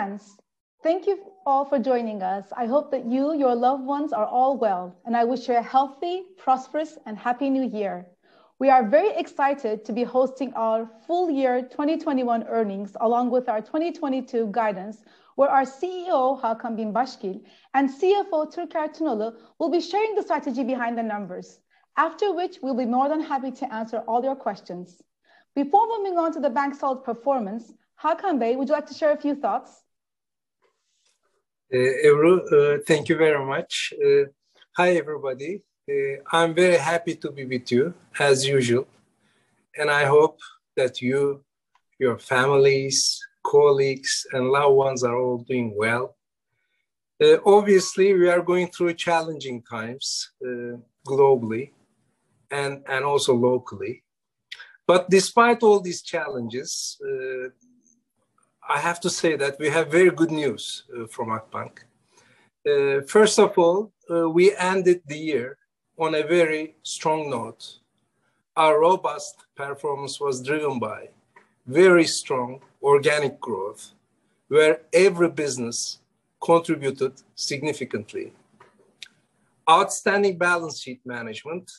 Dear friends, thank you all for joining us. I hope that you, your loved ones are all well, and I wish you a healthy, prosperous, and happy New Year. We are very excited to be hosting our full-year 2021 earnings, along with our 2022 guidance, where our CEO Hakan Binbaşgil and CFO Türker Tunalı will be sharing the strategy behind the numbers. After which, we'll be more than happy to answer all your questions. Before we move on to the bank's solid performance, Hakan Bey, would you like to share a few thoughts? Ebru, thank you very much. Hi, everybody. I'm very happy to be with you as usual, and I hope that you, your families, colleagues, and loved ones are all doing well. Obviously, we are going through challenging times, globally and also locally. Despite all these challenges, I have to say that we have very good news from Akbank. First of all, we ended the year on a very strong note. Our robust performance was driven by very strong organic growth, where every business contributed significantly, outstanding balance sheet management,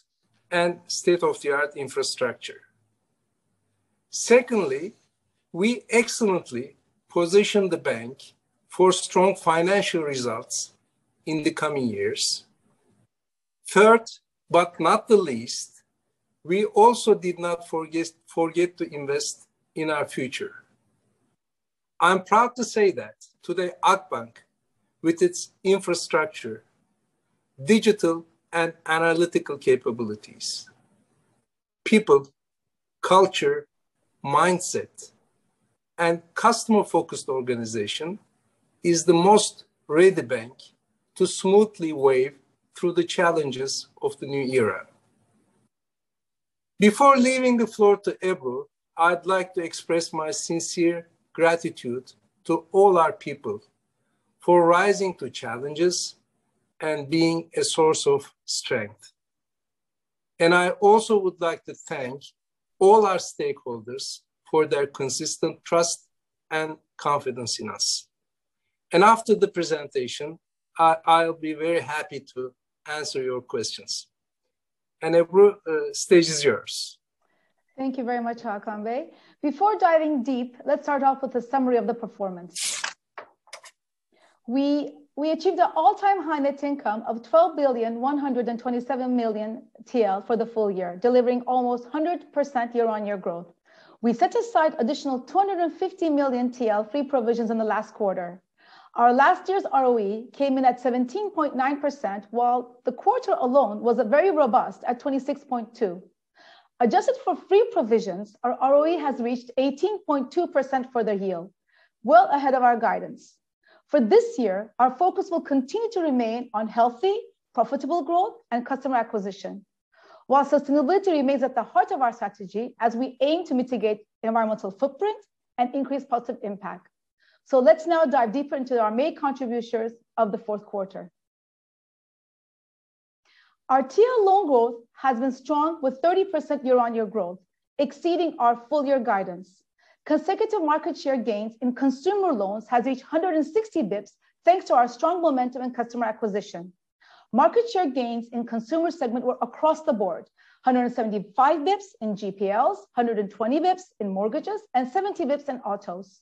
and state-of-the-art infrastructure. Secondly, we excellently positioned the bank for strong financial results in the coming years. Third, but not the least, we also did not forget to invest in our future. I'm proud to say that today, Akbank, with its infrastructure, digital and analytical capabilities, people, culture, mindset, and customer-focused organization, is the most ready bank to smoothly weave through the challenges of the new era. Before leaving the floor to Ebru, I'd like to express my sincere gratitude to all our people for rising to challenges and being a source of strength. I also would like to thank all our stakeholders for their consistent trust and confidence in us. After the presentation, I'll be very happy to answer your questions. Ebru, stage is yours. Thank you very much, Hakan Bey. Before diving deep, let's start off with a summary of the performance. We achieved an all-time high net income of 12.127 billion for the full-year, delivering almost 100% year-on-year growth. We set aside additional 250 million TL free provisions in the last quarter. Our last year's ROE came in at 17.9%, while the quarter alone was very robust at 26.2%. Adjusted for free provisions, our ROE has reached 18.2% for the year, well ahead of our guidance. For this year, our focus will continue to remain on healthy, profitable growth and customer acquisition, while sustainability remains at the heart of our strategy as we aim to mitigate environmental footprint and increase positive impact. Let's now dive deeper into our main contributors of the fourth quarter. Our TL loan growth has been strong with 30% year-on-year growth, exceeding our full-year guidance. Consecutive market share gains in consumer loans has reached 160 basis points, thanks to our strong momentum and customer acquisition. Market share gains in consumer segment were across the board: 175 basis points in GPLs, 120 basis points in mortgages, and 70 basis points in autos.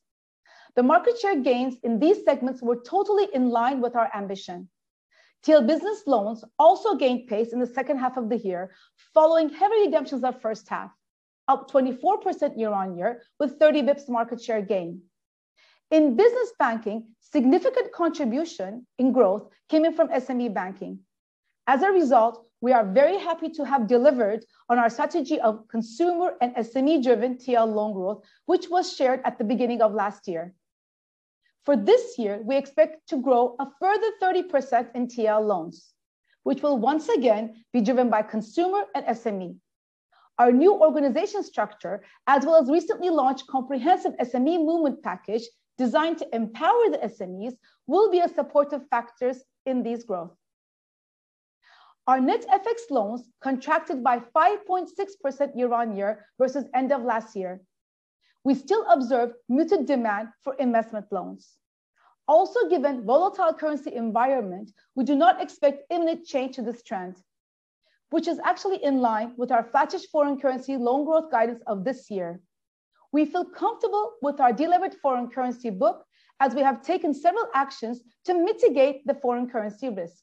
The market share gains in these segments were totally in line with our ambition. TL business loans also gained pace in the second half of the year, following heavy redemptions at first half, up 24% year-on-year with 30 basis points market share gain. In business banking, significant contribution in growth came in from SME banking. As a result, we are very happy to have delivered on our strategy of consumer and SME-driven TL loan growth, which was shared at the beginning of last year. For this year, we expect to grow a further 30% in TL loans, which will once again be driven by consumer and SME. Our new organization structure, as well as recently launched comprehensive SME movement package designed to empower the SMEs, will be a supportive factors in this growth. Our net FX loans contracted by 5.6% year-on-year versus end of last year. We still observe muted demand for investment loans. Also, given volatile currency environment, we do not expect imminent change to this trend, which is actually in line with our flattish foreign currency loan growth guidance of this year. We feel comfortable with our delevered foreign currency book as we have taken several actions to mitigate the foreign currency risk.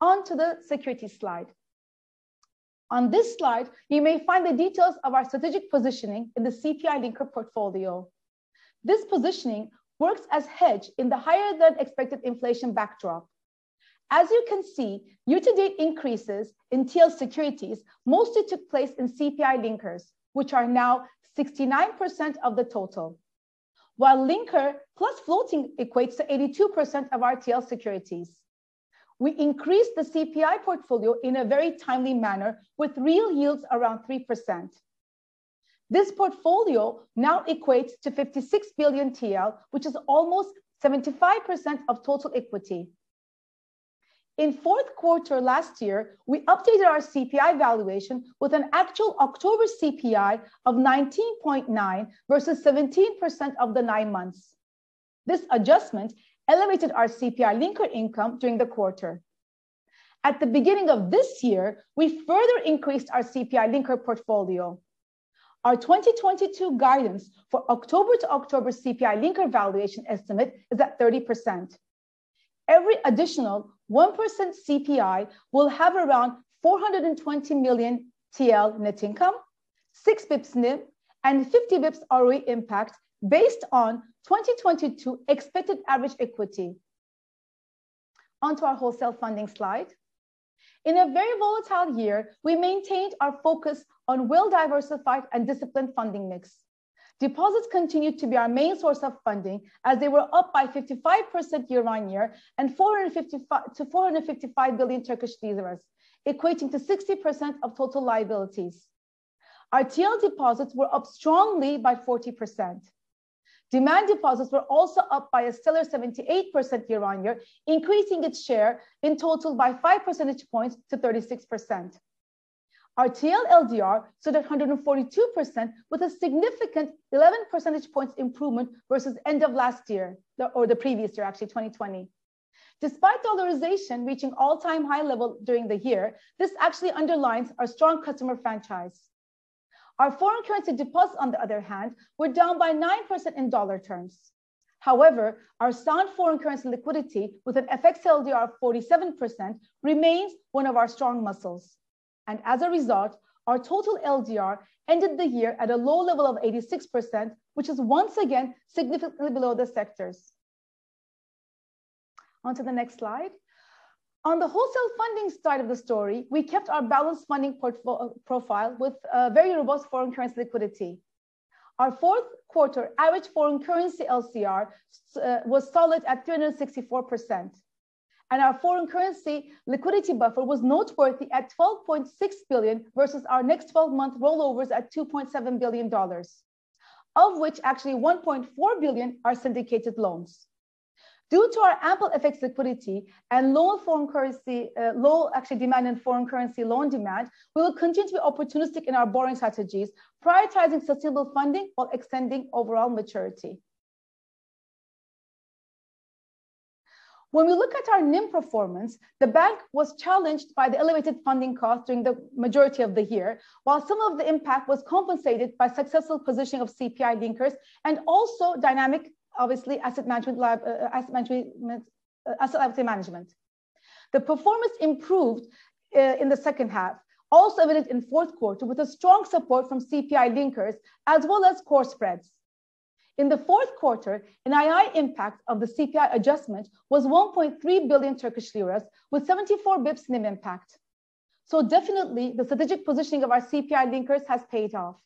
On to the securities slide. On this slide, you may find the details of our strategic positioning in the CPI linker portfolio. This positioning works as hedge in the higher than expected inflation backdrop. As you can see, year-to-date increases in TL securities mostly took place in CPI linkers, which are now 69% of the total. While linker plus floating equates to 82% of our TL securities. We increased the CPI portfolio in a very timely manner with real yields around 3%. This portfolio now equates to 56 billion TL, which is almost 75% of total equity. In fourth quarter last year, we updated our CPI valuation with an actual October CPI of 19.9 versus 17% of the nine months. This adjustment elevated our CPI linker income during the quarter. At the beginning of this year, we further increased our CPI linker portfolio. Our 2022 guidance for October to October CPI linker valuation estimate is at 30%. Every additional 1% CPI will have around 420 million TL net income, six basis points NIM and 50 basis points ROE impact based on 2022 expected average equity. Onto our wholesale funding slide. In a very volatile year, we maintained our focus on well-diversified and disciplined funding mix. Deposits continued to be our main source of funding as they were up by 55% year-on-year and 455 billion, equating to 60% of total liabilities. Our TL deposits were up strongly by 40%. Demand deposits were also up by a stellar 78% year-on-year, increasing its share in total by 5 percentage points to 36%. Our TL LDR stood at 142% with a significant 11 percentage points improvement versus end of last year or the previous year, actually, 2020. Despite dollarization reaching all-time high level during the year, this actually underlines our strong customer franchise. Our foreign currency deposits, on the other hand, were down by 9% in dollar terms. However, our sound foreign currency liquidity with an FX LDR of 47% remains one of our strong muscles. As a result, our total LDR ended the year at a low level of 86%, which is once again significantly below the sectors. On to the next slide. On the wholesale funding side of the story, we kept our balanced funding profile with very robust foreign currency liquidity. Our fourth quarter average foreign currency LCR was solid at 364%, and our foreign currency liquidity buffer was noteworthy at $12.6 billion versus our next 12 month rollovers at $2.7 billion, of which actually $1.4 billion are syndicated loans. Due to our ample FX liquidity and low foreign currency loan demand, we will continue to be opportunistic in our borrowing strategies, prioritizing sustainable funding while extending overall maturity. When we look at our NIM performance, the bank was challenged by the elevated funding costs during the majority of the year. While some of the impact was compensated by successful positioning of CPI linkers and also dynamic, obviously, asset liability management. The performance improved in the second half, also evident in fourth quarter with a strong support from CPI linkers as well as core spreads. In the fourth quarter, NII impact of the CPI adjustment was 1.3 billion Turkish lira with 74 basis points NIM impact. Definitely the strategic positioning of our CPI linkers has paid off.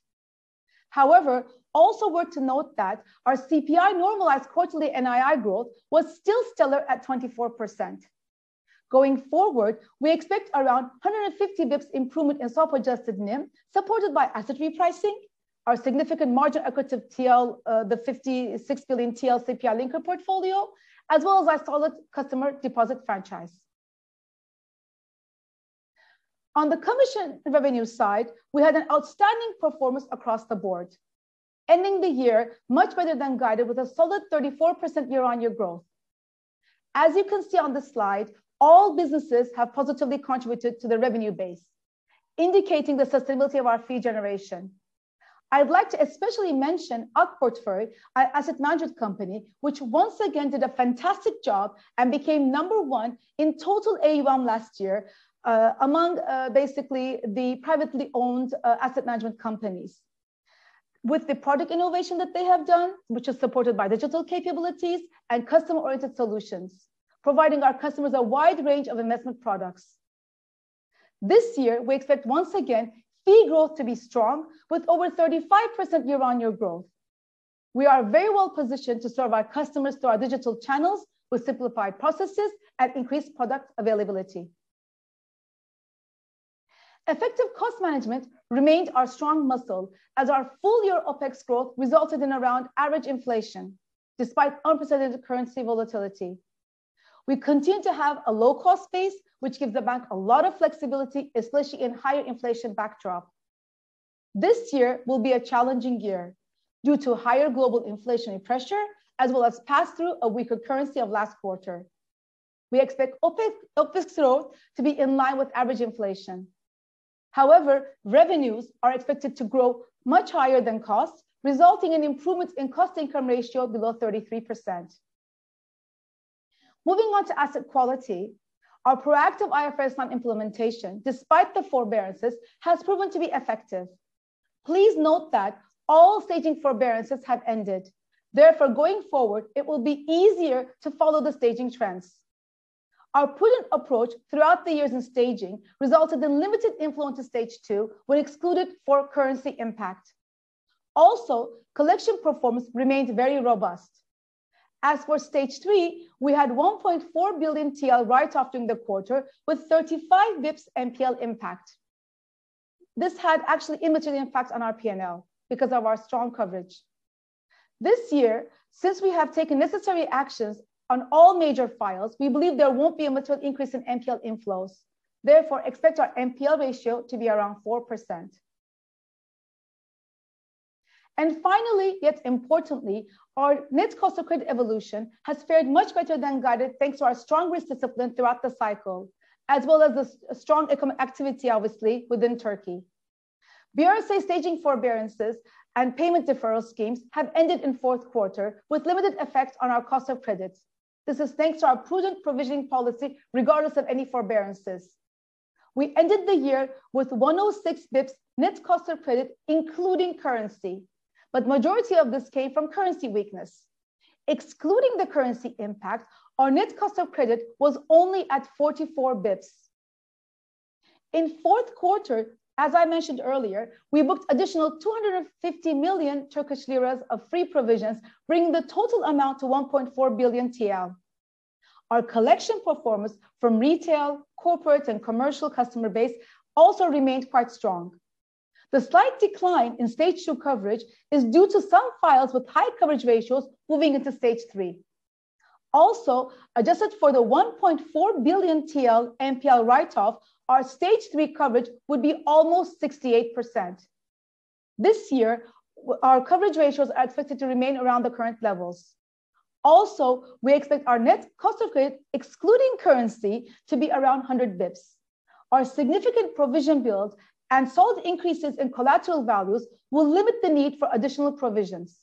However, also worth to note that our CPI normalized quarterly NII growth was still stellar at 24%. Going forward, we expect around 150 basis points improvement in cost-adjusted NIM supported by asset repricing, our significant margin-accretive TL, the 56 billion TL CPI linker portfolio, as well as our solid customer deposit franchise. On the commission revenue side, we had an outstanding performance across the board, ending the year much better than guided with a solid 34% year-on-year growth. As you can see on the slide, all businesses have positively contributed to the revenue base, indicating the sustainability of our fee generation. I would like to especially mention Ak Portföy, our asset management company, which once again did a fantastic job and became number one in total AUM last year, among, basically the privately owned, asset management companies. With the product innovation that they have done, which is supported by digital capabilities and customer-oriented solutions, providing our customers a wide range of investment products. This year, we expect once again fee growth to be strong with over 35% year-on-year growth. We are very well positioned to serve our customers through our digital channels with simplified processes and increased product availability. Effective cost management remained our strong muscle as our full-year OpEx growth resulted in around average inflation despite unprecedented currency volatility. We continue to have a low cost base, which gives the bank a lot of flexibility, especially in higher inflation backdrop. This year will be a challenging year due to higher global inflationary pressure as well as pass through a weaker currency of last quarter. We expect OpEx growth to be in line with average inflation. However, revenues are expected to grow much higher than costs, resulting in improvements in cost income ratio below 33%. Moving on to asset quality. Our proactive IFRS 9 implementation, despite the forbearances, has proven to be effective. Please note that all staging forbearances have ended. Therefore, going forward, it will be easier to follow the staging trends. Our prudent approach throughout the years in staging resulted in limited influence to stage two when excluded for currency impact. Also, collection performance remained very robust. As for stage three, we had 1.4 billion TL write-off during the quarter with 35 basis points NPL impact. This had actually a material impact on our P&L because of our strong coverage. This year, since we have taken necessary actions on all major files, we believe there won't be a material increase in NPL inflows, therefore expect our NPL ratio to be around 4%. Finally, yet importantly, our net cost of credit evolution has fared much better than guided, thanks to our strong risk discipline throughout the cycle, as well as the strong economic activity, obviously, within Turkey. BRSA staging forbearances and payment deferral schemes have ended in fourth quarter with limited effect on our cost of credit. This is thanks to our prudent provisioning policy regardless of any forbearances. We ended the year with 106 basis points net cost of credit, including currency. Majority of this came from currency weakness. Excluding the currency impact, our net cost of credit was only at 44 basis points. In fourth quarter, as I mentioned earlier, we booked additional 250 million Turkish lira of free provisions, bringing the total amount to 1.4 billion TL. Our collection performance from retail, corporate, and commercial customer base also remained quite strong. The slight decline in stage two coverage is due to some files with high coverage ratios moving into stage three. Adjusted for the 1.4 billion TL NPL write-off, our stage three coverage would be almost 68%. This year, our coverage ratios are expected to remain around the current levels. Also, we expect our net cost of credit, excluding currency, to be around 100 bps. Our significant provision build and solid increases in collateral values will limit the need for additional provisions.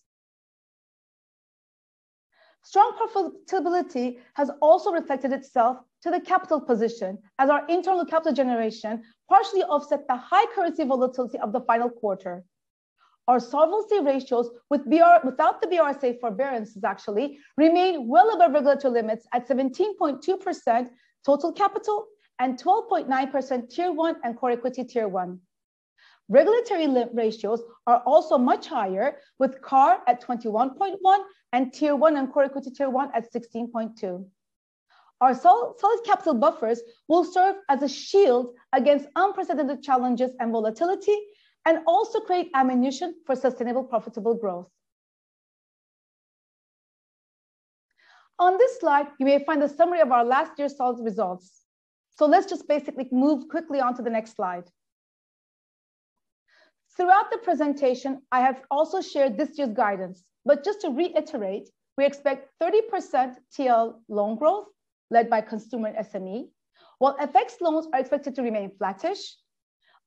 Strong profitability has also reflected itself to the capital position as our internal capital generation partially offset the high currency volatility of the final quarter. Our solvency ratios without the BRSA forbearances actually remain well above regulatory limits at 17.2% total capital and 12.9% Tier 1 and core equity Tier 1. Regulatory ratios are also much higher with CAR at 21.1 and Tier 1 and core equity Tier 1 at 16.2. Solid capital buffers will serve as a shield against unprecedented challenges and volatility and also create ammunition for sustainable profitable growth. On this slide, you may find a summary of our last year's solid results. Let's just basically move quickly on to the next slide. Throughout the presentation, I have also shared this year's guidance. Just to reiterate, we expect 30% TL loan growth led by consumer and SME, while FX loans are expected to remain flattish.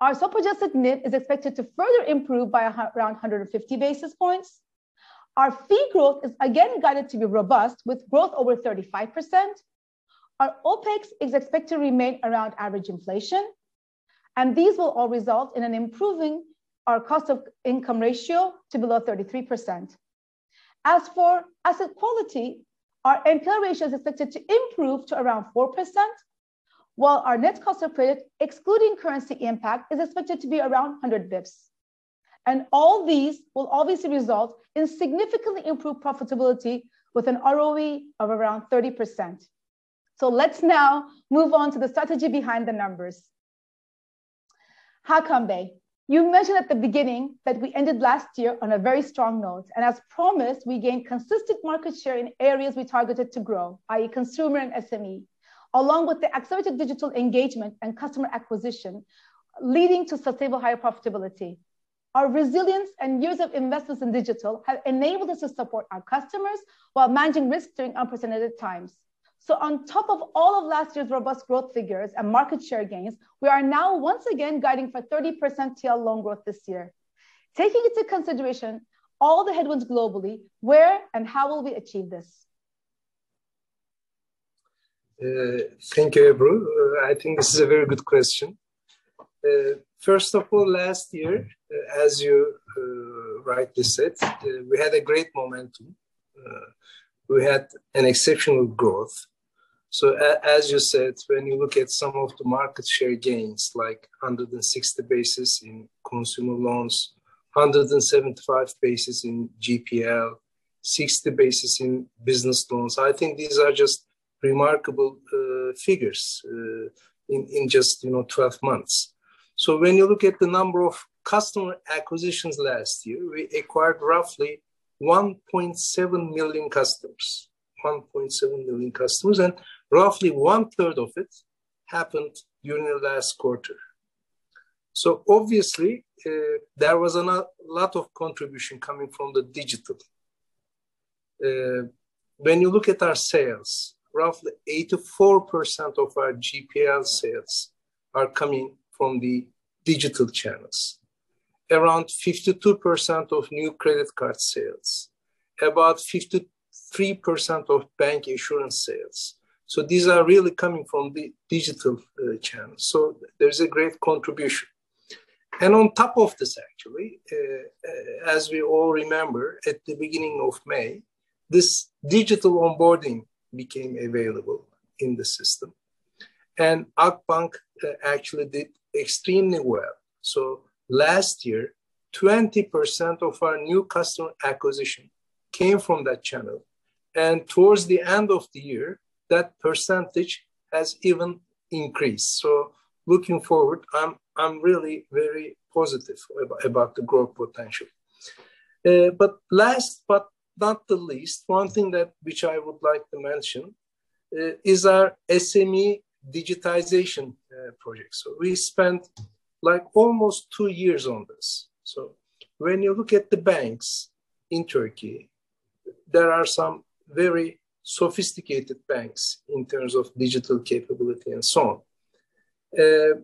Our swap-adjusted NIM is expected to further improve by around 150 basis points. Our fee growth is again guided to be robust with growth over 35%. Our OpEx is expected to remain around average inflation, and these will all result in improving our cost of income ratio to below 33%. As for asset quality, our NPL ratio is expected to improve to around 4%, while our net cost of credit, excluding currency impact, is expected to be around 100 basis points. All these will obviously result in significantly improved profitability with an ROE of around 30%. Let's now move on to the strategy behind the numbers. Hakan Binbaşgil Bey, you mentioned at the beginning that we ended last year on a very strong note. As promised, we gained consistent market share in areas we targeted to grow, i.e., consumer and SME, along with the accelerated digital engagement and customer acquisition, leading to sustainable higher profitability. Our resilience and years of investments in digital have enabled us to support our customers while managing risks during unprecedented times. On top of all of last year's robust growth figures and market share gains, we are now once again guiding for 30% TL loan growth this year. Taking into consideration all the headwinds globally, where and how will we achieve this? Thank you, Ebru. I think this is a very good question. First of all, last year, as you rightly said, we had a great momentum. We had an exceptional growth. As you said, when you look at some of the market share gains, like 160 basis in consumer loans, 175 basis in GPL, 60 basis in business loans, I think these are just remarkable figures in just, you know, 12 months. When you look at the number of customer acquisitions last year, we acquired roughly 1.7 million customers. 1.7 million customers, and roughly one third of it happened during the last quarter. Obviously, there was a lot of contribution coming from the digital. When you look at our sales, roughly 84% of our GPL sales are coming from the digital channels, around 52% of new credit card sales, and about 53% of bank insurance sales. These are really coming from the digital channels. There's a great contribution. On top of this, actually, as we all remember, at the beginning of May, this digital onboarding became available in the system. Akbank actually did extremely well. Last year, 20% of our new customer acquisition came from that channel. Towards the end of the year, that percentage has even increased. Looking forward, I'm really very positive about the growth potential. But last but not the least, one thing that I would like to mention is our SME digitization project. We spent like almost two years on this. When you look at the banks in Turkey, there are some very sophisticated banks in terms of digital capability and so on.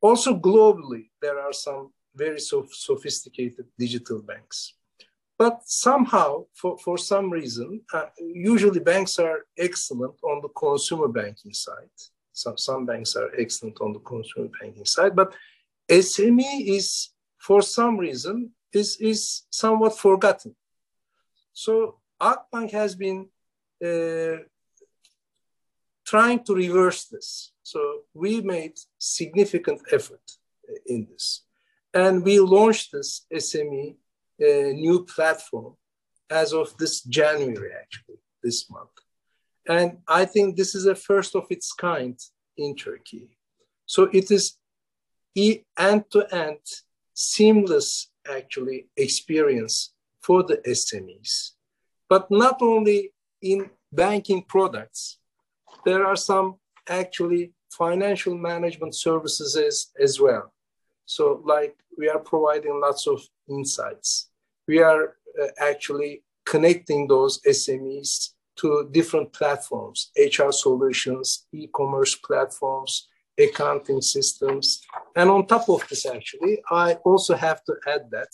Also globally, there are some very sophisticated digital banks. But somehow, for some reason, usually banks are excellent on the consumer banking side. Some banks are excellent on the consumer banking side, but SME is, for some reason, somewhat forgotten. Akbank has been trying to reverse this. We made significant effort in this, and we launched this SME new platform as of this January, actually, this month. I think this is a first of its kind in Turkey. It is end-to-end seamless, actually, experience for the SMEs. But not only in banking products, there are some actually financial management services as well. Like, we are providing lots of insights. We are actually connecting those SMEs to different platforms, HR solutions, e-commerce platforms, accounting systems. On top of this, actually, I also have to add that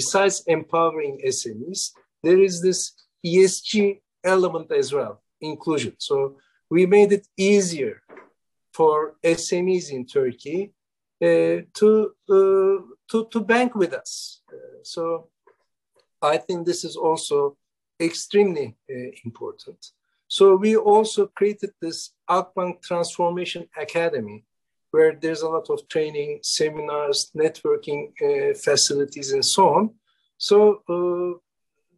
besides empowering SMEs, there is this ESG element as well, inclusion. We made it easier for SMEs in Turkey to bank with us. I think this is also extremely important. We also created this Akbank Transformation Academy, where there's a lot of training, seminars, networking, facilities, and so on.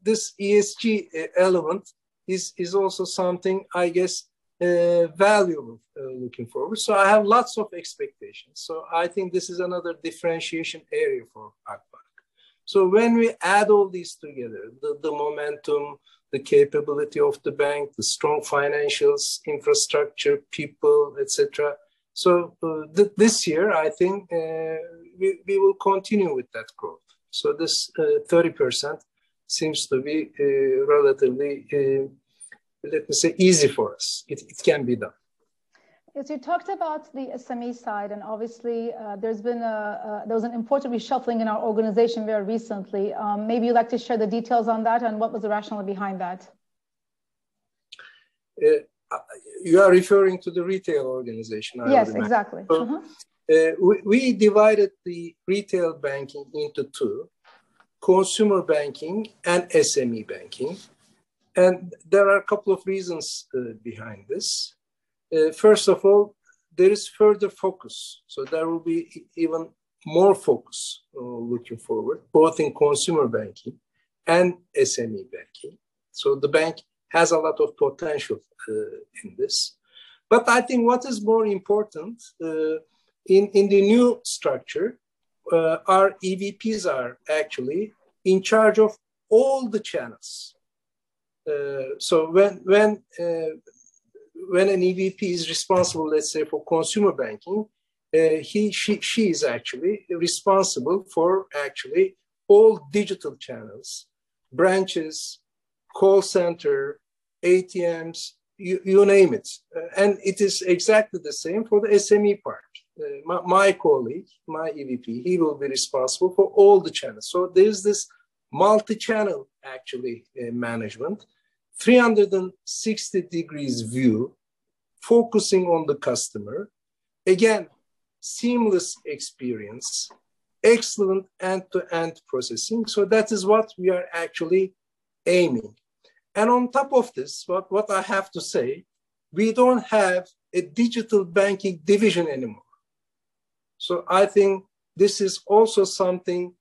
This ESG element is also something, I guess, valuable looking forward. I have lots of expectations. I think this is another differentiation area for Akbank. When we add all these together, the momentum, the capability of the bank, the strong financials, infrastructure, people, et cetera. This year, I think, we will continue with that growth. This 30% seems to be relatively, let me say, easy for us. It can be done. Yes, you talked about the SME side, and obviously, there was an important reshuffling in our organization very recently. Maybe you'd like to share the details on that and what was the rationale behind that. You are referring to the retail organization, I understand. Yes, exactly. Mm-hmm. We divided the retail banking into two: consumer banking and SME banking. There are a couple of reasons behind this. First of all, there is further focus. There will be even more focus, looking forward, both in consumer banking and SME banking. The bank has a lot of potential in this. I think what is more important, in the new structure, our EVPs are actually in charge of all the channels. When an EVP is responsible, let's say, for consumer banking, he, she's actually responsible for all digital channels, branches, call center, ATMs, you name it. It is exactly the same for the SME part. My colleague, my EVP, he will be responsible for all the channels. There's this multi-channel, actually, management, 360-degree view, focusing on the customer. Again, seamless experience, excellent end-to-end processing. That is what we are actually aiming. On top of this, what I have to say, we don't have a digital banking division anymore. I think this is also something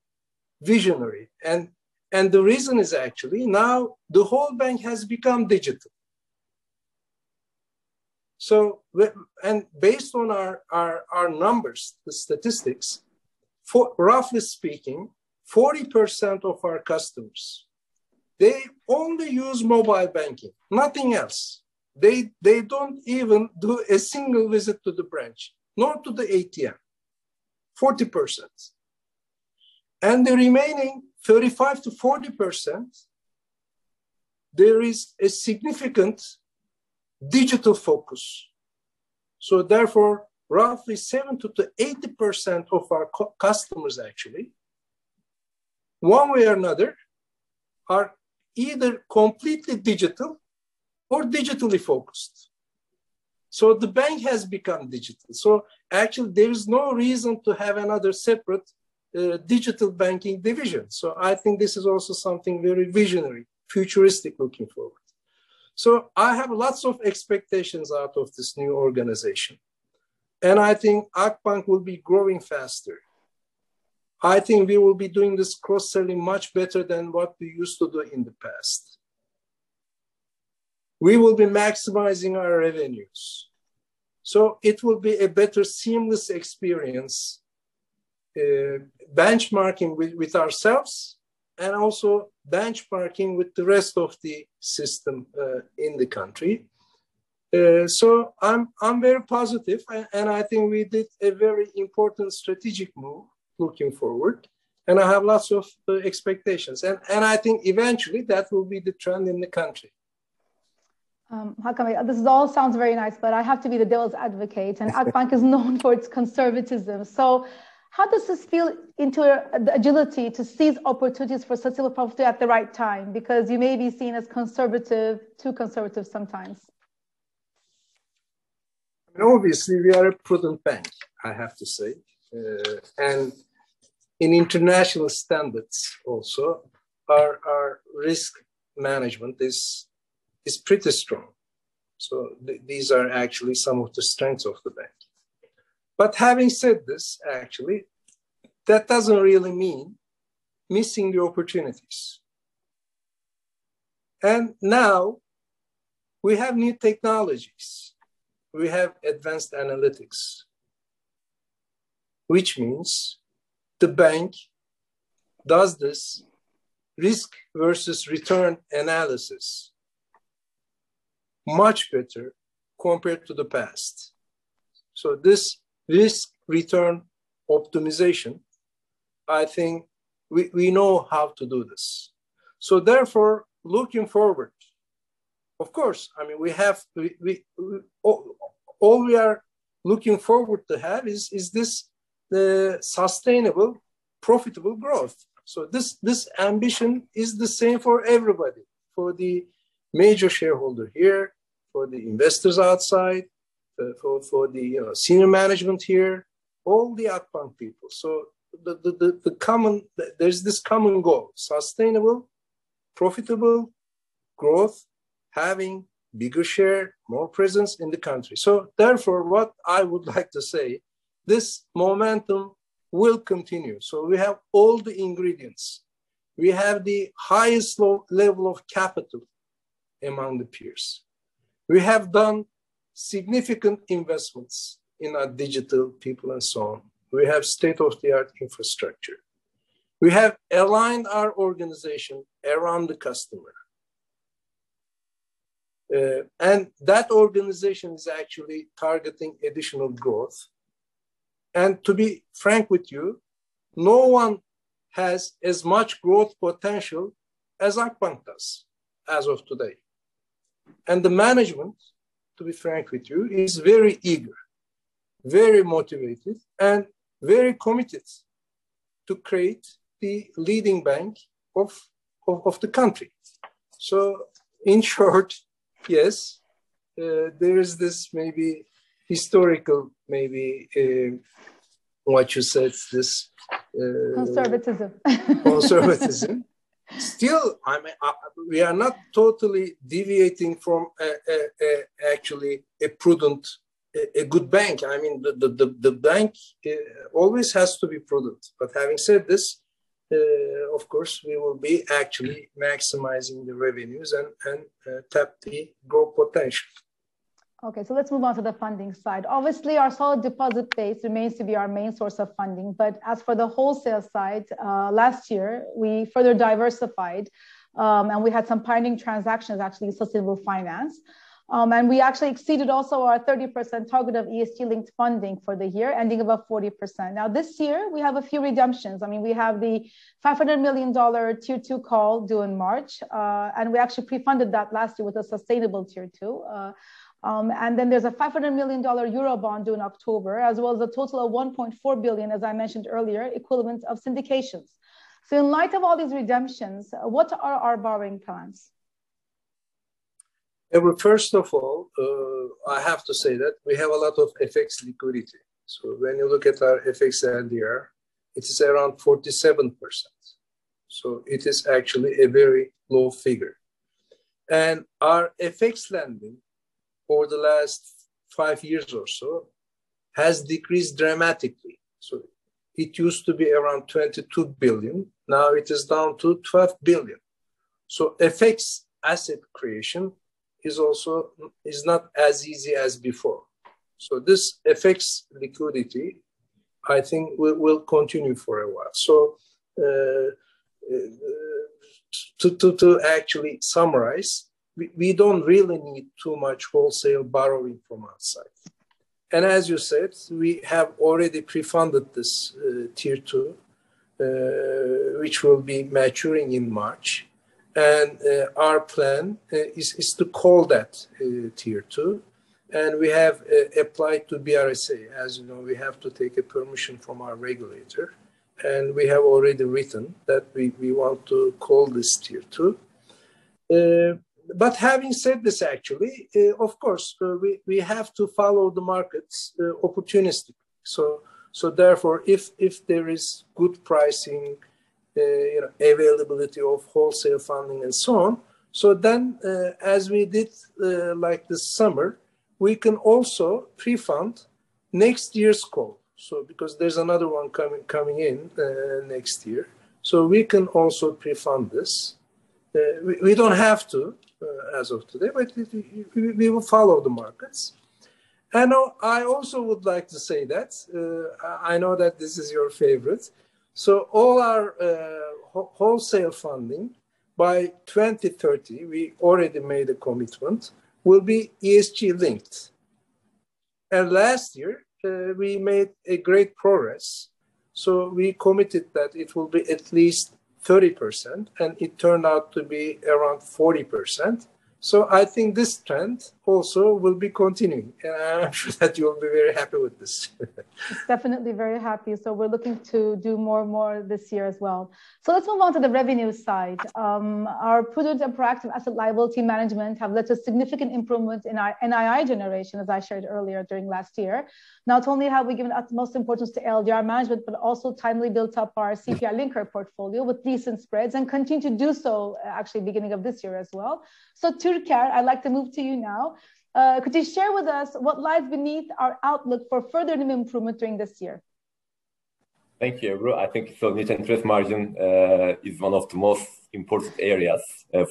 visionary. The reason is actually now the whole bank has become digital. And based on our numbers, the statistics, roughly speaking, 40% of our customers, they only use mobile banking, nothing else. They don't even do a single visit to the branch, nor to the ATM. 40%. The remaining 35%-40%, there is a significant digital focus. Therefore, roughly 70%-80% of our customers, actually, one way or another, are either completely digital or digitally focused. The bank has become digital. Actually, there is no reason to have another separate digital banking division. I think this is also something very visionary, futuristic looking forward. I have lots of expectations out of this new organization, and I think Akbank will be growing faster. I think we will be doing this cross-selling much better than what we used to do in the past. We will be maximizing our revenues. It will be a better seamless experience, benchmarking with ourselves and also benchmarking with the rest of the system in the country. I'm very positive and I think we did a very important strategic move looking forward, and I have lots of expectations. I think eventually that will be the trend in the country. Hakan, this all sounds very nice, but I have to be the devil's advocate. Akbank is known for its conservatism. How does this fit into your agility to seize opportunities for sustainable profit at the right time? Because you may be seen as conservative, too conservative sometimes. Obviously, we are a prudent bank, I have to say. In international standards also, our risk management is pretty strong. These are actually some of the strengths of the bank. Having said this, actually, that doesn't really mean missing the opportunities. Now we have new technologies. We have advanced analytics, which means the bank does this risk versus return analysis much better compared to the past. This risk-return optimization, I think we know how to do this. Looking forward, of course, I mean, we all are looking forward to have is this sustainable, profitable growth. This ambition is the same for everybody, for the major shareholder here, for the investors outside, for the senior management here, all the Akbank people. There's this common goal, sustainable, profitable growth, having bigger share, more presence in the country. Therefore, what I would like to say, this momentum will continue. We have all the ingredients. We have the highest level of capital among the peers. We have done significant investments in our digital people and so on. We have state-of-the-art infrastructure. We have aligned our organization around the customer. That organization is actually targeting additional growth. To be frank with you, no one has as much growth potential as Akbank does as of today. The management, to be frank with you, is very eager, very motivated, and very committed to create the leading bank of the country. In short, yes, there is this maybe historical, maybe, what you said, this. Conservatism. conservatism. Still, I mean, we are not totally deviating from actually a prudent good bank. I mean, the bank always has to be prudent. Having said this, of course, we will be actually maximizing the revenues and tap the growth potential. Okay, let's move on to the funding side. Obviously, our solid deposit base remains to be our main source of funding. As for the wholesale side, last year, we further diversified, and we had some pioneering transactions actually in sustainable finance. And we actually exceeded also our 30% target of ESG-linked funding for the year, ending above 40%. Now, this year, we have a few redemptions. I mean, we have the $500 million Tier 2 call due in March, and we actually pre-funded that last year with a sustainable Tier 2. And then there's a $500 million euro bond due in October, as well as a total of $1.4 billion, as I mentioned earlier, equivalent of syndications. In light of all these redemptions, what are our borrowing plans? Well, first of all, I have to say that we have a lot of FX liquidity. When you look at our FX LDR, it is around 47%. It is actually a very low figure. Our FX lending for the last five years or so has decreased dramatically. It used to be around $22 billion, now it is down to $12 billion. FX asset creation is also not as easy as before. This FX liquidity, I think will continue for a while. To actually summarize, we don't really need too much wholesale borrowing from outside. As you said, we have already pre-funded this Tier 2, which will be maturing in March. Our plan is to call that Tier 2, and we have applied to BRSA. As you know, we have to take a permission from our regulator, and we have already written that we want to call this Tier 2. Having said this, actually, of course, we have to follow the markets opportunistically. Therefore, if there is good pricing, you know, availability of wholesale funding and so on. As we did, like this summer, we can also pre-fund next year's call. Because there's another one coming in next year, we can also pre-fund this. We don't have to, as of today, but we will follow the markets. I know. I also would like to say that, I know that this is your favorite. All our wholesale funding by 2030, we already made a commitment, will be ESG linked. Last year, we made a great progress. We committed that it will be at least 30%, and it turned out to be around 40%. I think this trend also will be continuing. I am sure that you will be very happy with this. Definitely very happy. We're looking to do more and more this year as well. Let's move on to the revenue side. Our prudent and proactive asset liability management have led to significant improvements in our NII generation, as I shared earlier during last year. Not only have we given utmost importance to LDR management, but also timely built up our CPI-linked portfolio with decent spreads, and continue to do so, actually beginning of this year as well. Türker, I'd like to move to you now. Could you share with us what lies beneath our outlook for further improvement during this year? Thank you, Ebru. I think so net interest margin is one of the most important areas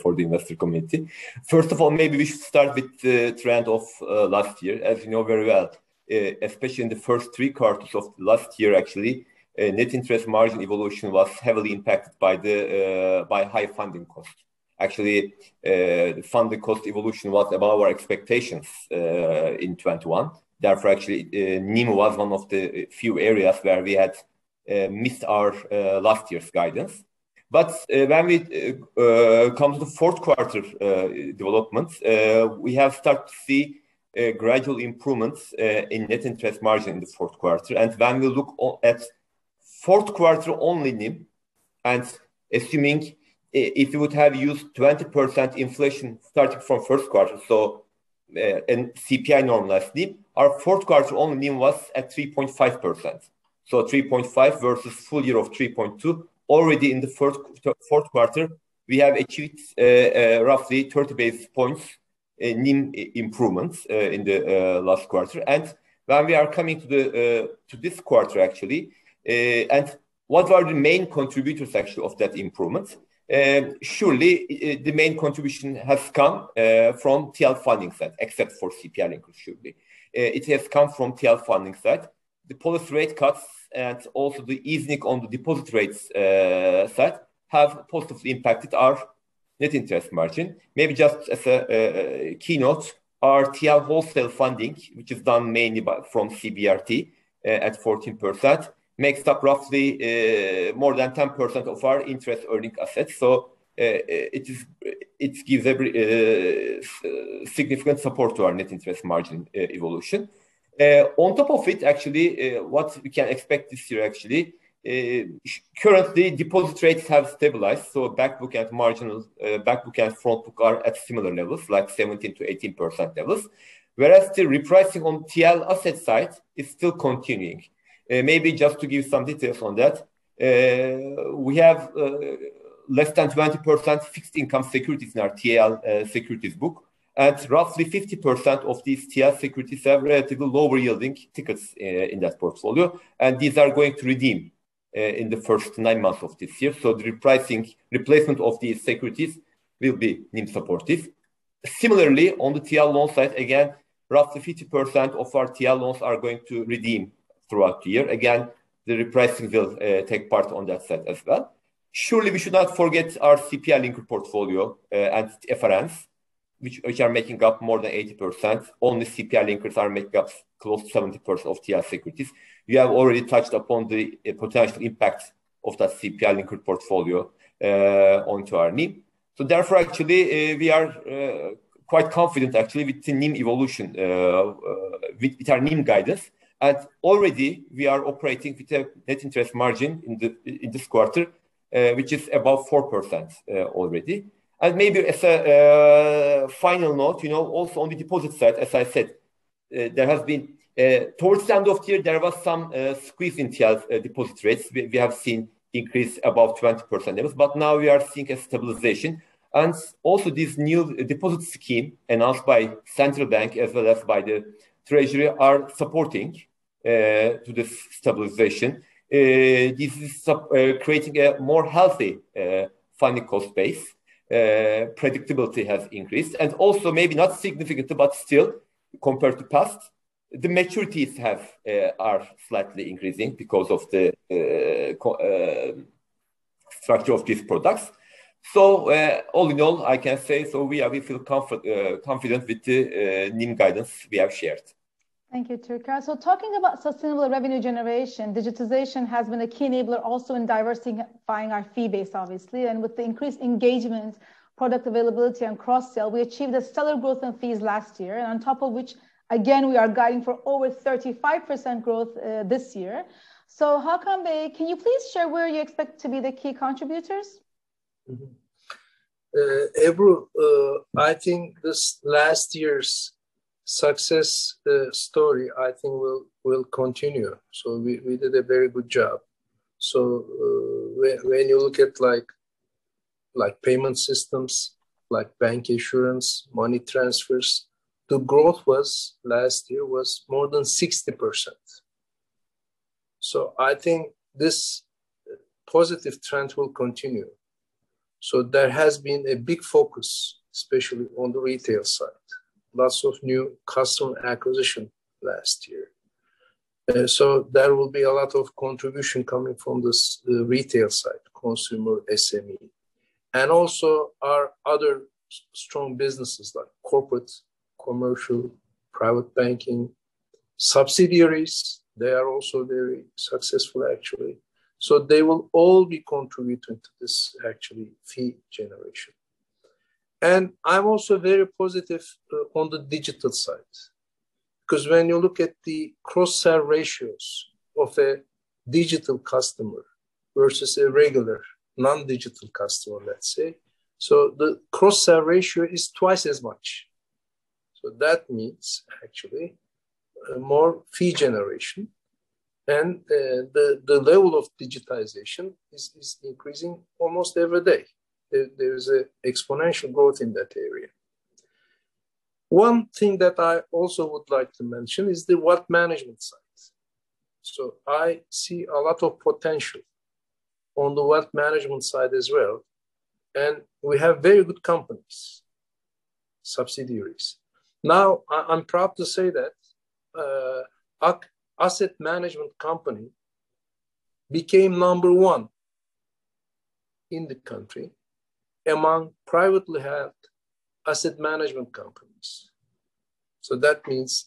for the investor community. First of all, maybe we should start with the trend of last year. As you know very well, especially in the first three quarters of last year actually, net interest margin evolution was heavily impacted by high funding costs. Actually, the funding cost evolution was above our expectations in 2021. Therefore, actually, NIM was one of the few areas where we had missed our last year's guidance. But when we come to the fourth quarter developments, we have started to see gradual improvements in net interest margin in the fourth quarter. When we look at fourth quarter only NIM, and assuming if you would have used 20% inflation starting from first quarter and CPI normalcy, our fourth quarter-only NIM was at 3.5%. 3.5% versus full-year of 3.2%. Already in the fourth quarter, we have achieved roughly 30 basis points in NIM improvements in the last quarter. When we are coming to this quarter actually, and what are the main contributors actually of that improvement? Surely, the main contribution has come from TL funding side, except for CPI linked, surely. It has come from TL funding side. The policy rate cuts and also the easing on the deposit rates side have positively impacted our net interest margin. Maybe just as a keynote, our TL wholesale funding, which is done mainly from CBRT at 14%, makes up roughly more than 10% of our interest-earning assets. It gives every significant support to our net interest margin evolution. On top of it, actually, what we can expect this year actually, currently deposit rates have stabilized, so back book and marginal and front book are at similar levels, like 17%-18% levels, whereas the repricing on TL asset side is still continuing. Maybe just to give some details on that, we have less than 20% fixed income securities in our TL securities book, and roughly 50% of these TL securities have relatively lower yielding tickets in that portfolio, and these are going to redeem in the first nine months of this year. The repricing, replacement of these securities will be NIM supportive. Similarly, on the TL loan side, again, roughly 50% of our TL loans are going to redeem throughout the year. Again, the repricing will take place on that side as well. Surely we should not forget our CPI-linked portfolio and FRNs, which are making up more than 80%. Only CPI linkers are making up close to 70% of TL securities. We have already touched upon the potential impact of that CPI-linked portfolio onto our NIM. Actually, we are quite confident actually with the NIM evolution, with our NIM guidance, and already we are operating with a net interest margin in this quarter, which is above 4%, already. Maybe as a final note, you know, also on the deposit side, as I said, there has been towards the end of the year some squeeze in TL deposit rates. We have seen increase above 20% levels, but now we are seeing a stabilization. Also this new deposit scheme announced by central bank as well as by the treasury are supporting to this stabilization. This is creating a more healthy funding cost base. Predictability has increased. Also maybe not significant, but still compared to past, the maturities are slightly increasing because of the structure of these products. All in all, I can say we feel confident with the NIM guidance we have shared. Thank you, Türker. Talking about sustainable revenue generation, digitization has been a key enabler also in diversifying our fee base, obviously. With the increased engagement, product availability, and cross-sell, we achieved a stellar growth in fees last year. On top of which, again, we are guiding for over 35% growth this year. Hakan Bey, can you please share where you expect to be the key contributors? Ebru, I think this last year's success story, I think will continue. We did a very good job. When you look at like payment systems, like bank insurance, money transfers, the growth last year was more than 60%. I think this positive trend will continue. There has been a big focus, especially on the retail side, lots of new customer acquisition last year. There will be a lot of contribution coming from this, the retail side, consumer SME. Our other strong businesses like corporate, commercial, private banking, subsidiaries, they are also very successful actually. They will all be contributing to this actually fee generation. I'm also very positive on the digital side, because when you look at the cross-sell ratios of a digital customer versus a regular non-digital customer, let's say. The cross-sell ratio is twice as much. That means actually more fee generation and the level of digitization is increasing almost every day. There is an exponential growth in that area. One thing that I also would like to mention is the wealth management side. I see a lot of potential on the wealth management side as well, and we have very good companies, subsidiaries. Now, I'm proud to say that our asset management company became number one in the country among privately held asset management companies. That means,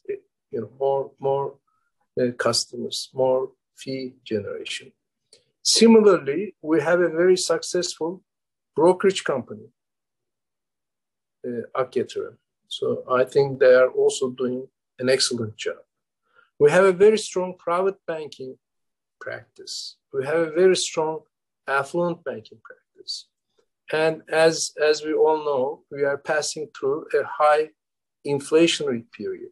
you know, more customers, more fee generation. Similarly, we have a very successful brokerage company, Ak Yatırım. I think they are also doing an excellent job. We have a very strong private banking practice. We have a very strong affluent banking practice. As we all know, we are passing through a high inflationary period.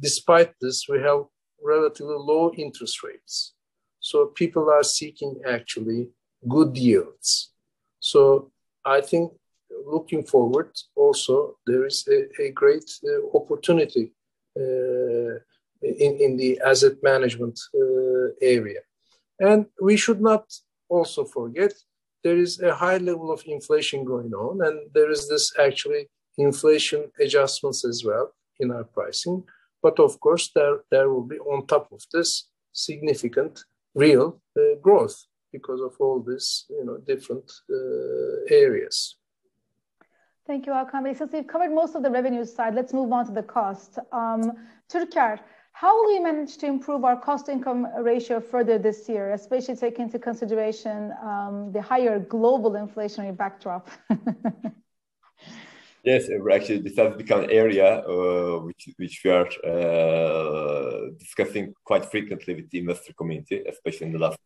Despite this, we have relatively low interest rates, so people are seeking actually good yields. I think looking forward also, there is a great opportunity in the asset management area. We should not also forget there is a high level of inflation going on, and there is this actually inflation adjustments as well in our pricing. Of course, there will be on top of this significant real growth because of all this, you know, different areas. Thank you, Hakan. Since we've covered most of the revenue side, let's move on to the cost. Turker, how will we manage to improve our cost income ratio further this year, especially taking into consideration, the higher global inflationary backdrop? Yes, Ebru. Actually, this has become an area which we are discussing quite frequently with the investor community, especially in the last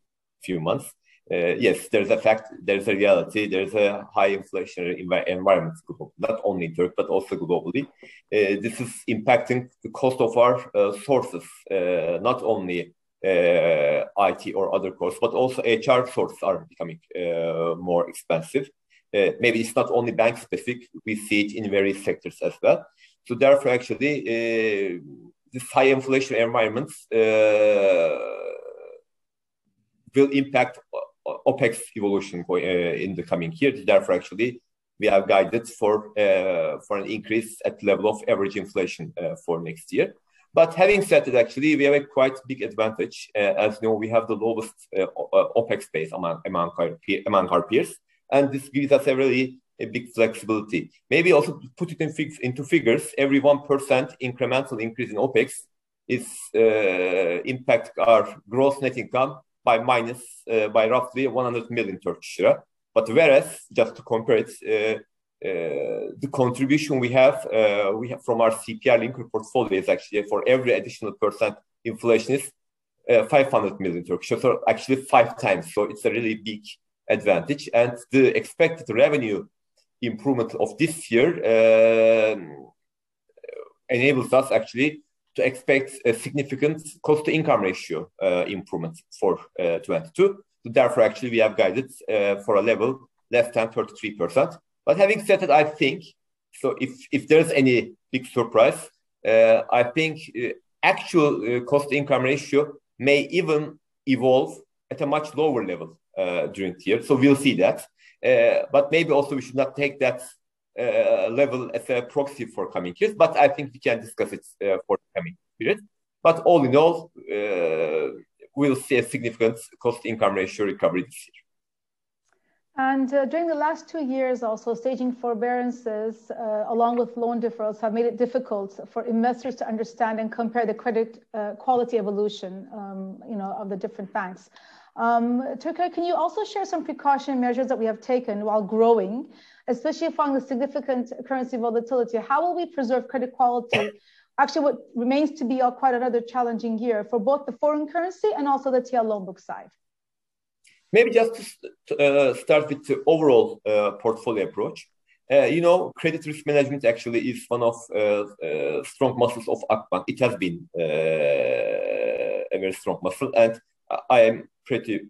few months. Yes, there is a fact, there is a reality, there is a high inflationary environment, global. Not only in Turkey, but also globally. This is impacting the cost of our sources. Not only IT or other costs, but also HR sources are becoming more expensive. Maybe it's not only bank specific, we see it in various sectors as well. Therefore, actually, this high inflationary environment will impact OpEx evolution in the coming years. Therefore, actually we have guided for an increase at level of average inflation for next year. Having said that, actually we have a quite big advantage. As you know, we have the lowest OpEx base among our peers, and this gives us a really big flexibility. Maybe also put it into figures. Every 1% incremental increase in OpEx impacts our gross net income by roughly 100 million Turkish lira. Whereas, just to compare it, the contribution we have from our CPI-linked portfolio is actually for every additional 1% inflation 500 million. Actually five times. It's a really big advantage. The expected revenue improvement of this year enables us actually to expect a significant cost to income ratio improvement for 2022. Therefore, actually we have guided for a level less than 33%. Having said that, I think if there's any big surprise, I think actual cost-to-income ratio may even evolve at a much lower level during the year. We'll see that. Maybe also we should not take that level as a proxy for coming years. I think we can discuss it for the coming period. All in all, we'll see a significant cost-to-income ratio recovery this year. During the last two years, also, staging forbearances, along with loan deferrals have made it difficult for investors to understand and compare the credit quality evolution, you know, of the different banks. Türker, can you also share some precaution measures that we have taken while growing, especially following the significant currency volatility? How will we preserve credit quality? Actually, what remains to be quite another challenging year for both the foreign currency and also the TL loan book side. Maybe just to start with the overall portfolio approach. You know, credit risk management actually is one of strong muscles of Akbank. It has been a very strong muscle, and I'm pretty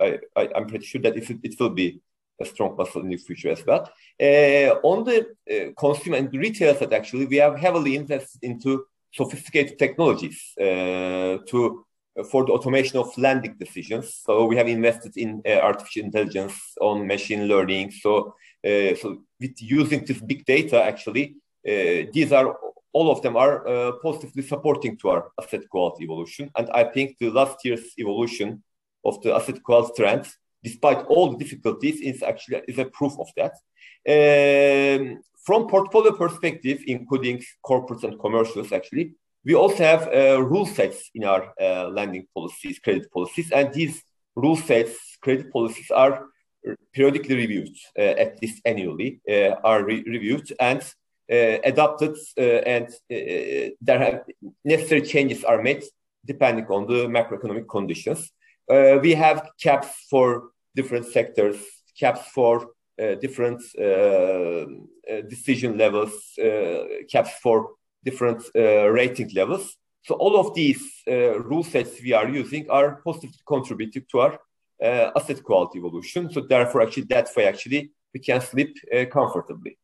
sure that it will be a strong muscle in the future as well. On the consumer and retail side, actually, we have heavily invested into sophisticated technologies to for the automation of lending decisions. So we have invested in artificial intelligence and machine learning. So with using this big data actually, these all of them positively supporting to our asset quality evolution. I think the last year's evolution of the asset quality trends, despite all the difficulties, is actually a proof of that. From portfolio perspective, including corporates and commercials, actually, we also have rule sets in our lending policies and credit policies, and these are periodically reviewed at least annually, reviewed and adapted, and the necessary changes are made depending on the macroeconomic conditions. We have caps for different sectors, caps for different decision levels, caps for different rating levels. All of these rule sets we are using are positively contributing to our asset quality evolution, so therefore actually, that way actually we can sleep comfortably.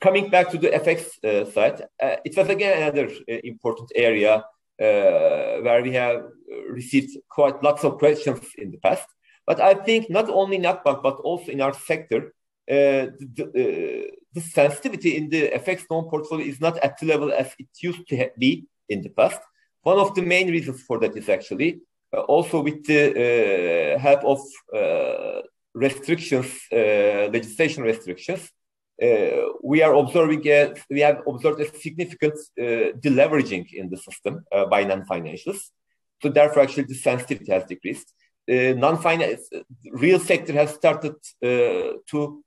Coming back to the FX side, it was again another important area where we have received quite lots of questions in the past. I think not only in Akbank but also in our sector, the sensitivity in the FX loan portfolio is not at the level as it used to be in the past. One of the main reasons for that is actually also with the help of restrictions, legislation restrictions, we have observed a significant de-leveraging in the system by non-financials. Therefore, actually the sensitivity has decreased. Non-financial real sector has started to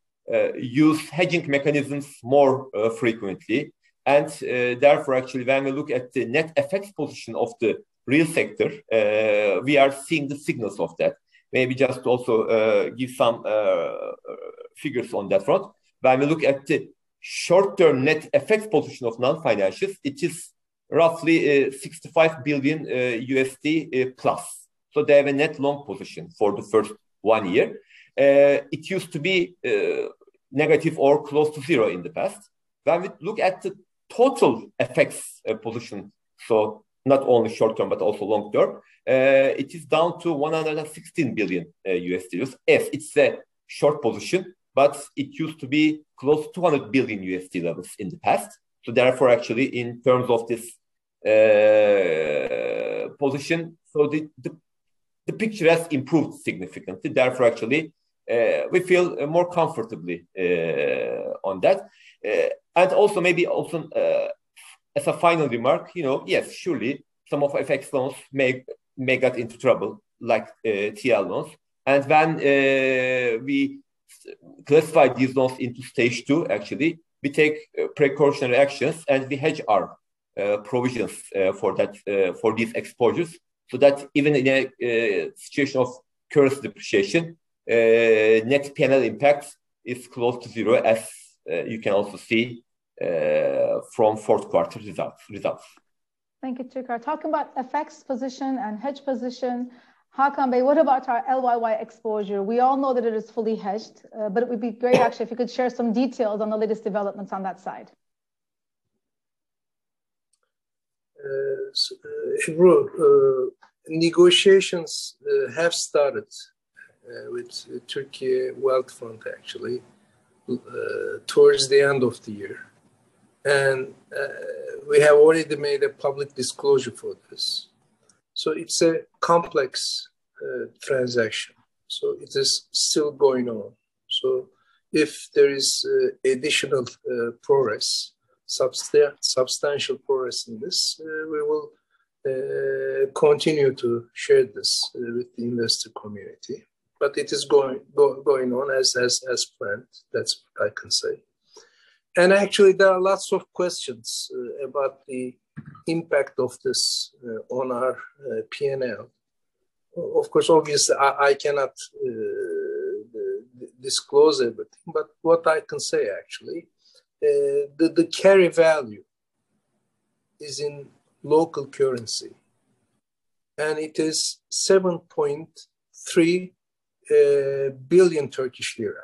use hedging mechanisms more frequently. Therefore, actually when we look at the net FX position of the real sector, we are seeing the signals of that. Maybe just also give some figures on that front. When we look at the short-term net FX position of non-financials, it is roughly $65 billion plus. They have a net long position for the first one year. It used to be negative or close to zero in the past. When we look at the total FX position, so not only short-term but also long-term, it is down to $116 billion. Yes, it's a short position, but it used to be close to $200 billion levels in the past, so therefore actually in terms of this position. The picture has improved significantly, therefore actually we feel more comfortably on that. And also maybe also as a final remark, you know, yes, surely some of FX loans may get into trouble, like TL loans. When we classify these loans into stage two, actually, we take precautionary actions and we hedge our provisions for that, for these exposures, so that even in a situation of currency depreciation, net PNL impact is close to zero, as you can also see from fourth quarter results. Thank you, Turker. Talking about FX position and hedge position, Hakan Bey, what about our LYY exposure? We all know that it is fully hedged, but it would be great actually if you could share some details on the latest developments on that side. Ebru, negotiations have started with Türkiye Wealth Fund, actually, towards the end of the year. We have already made a public disclosure for this. It's a complex transaction, so it is still going on. If there is additional, substantial progress in this, we will continue to share this with the investor community. It is going on as planned. That's what I can say. Actually, there are lots of questions about the impact of this on our PNL. Of course, obviously I cannot disclose everything, but what I can say actually, the carrying value is in local currency and it is 7.3 billion Turkish lira.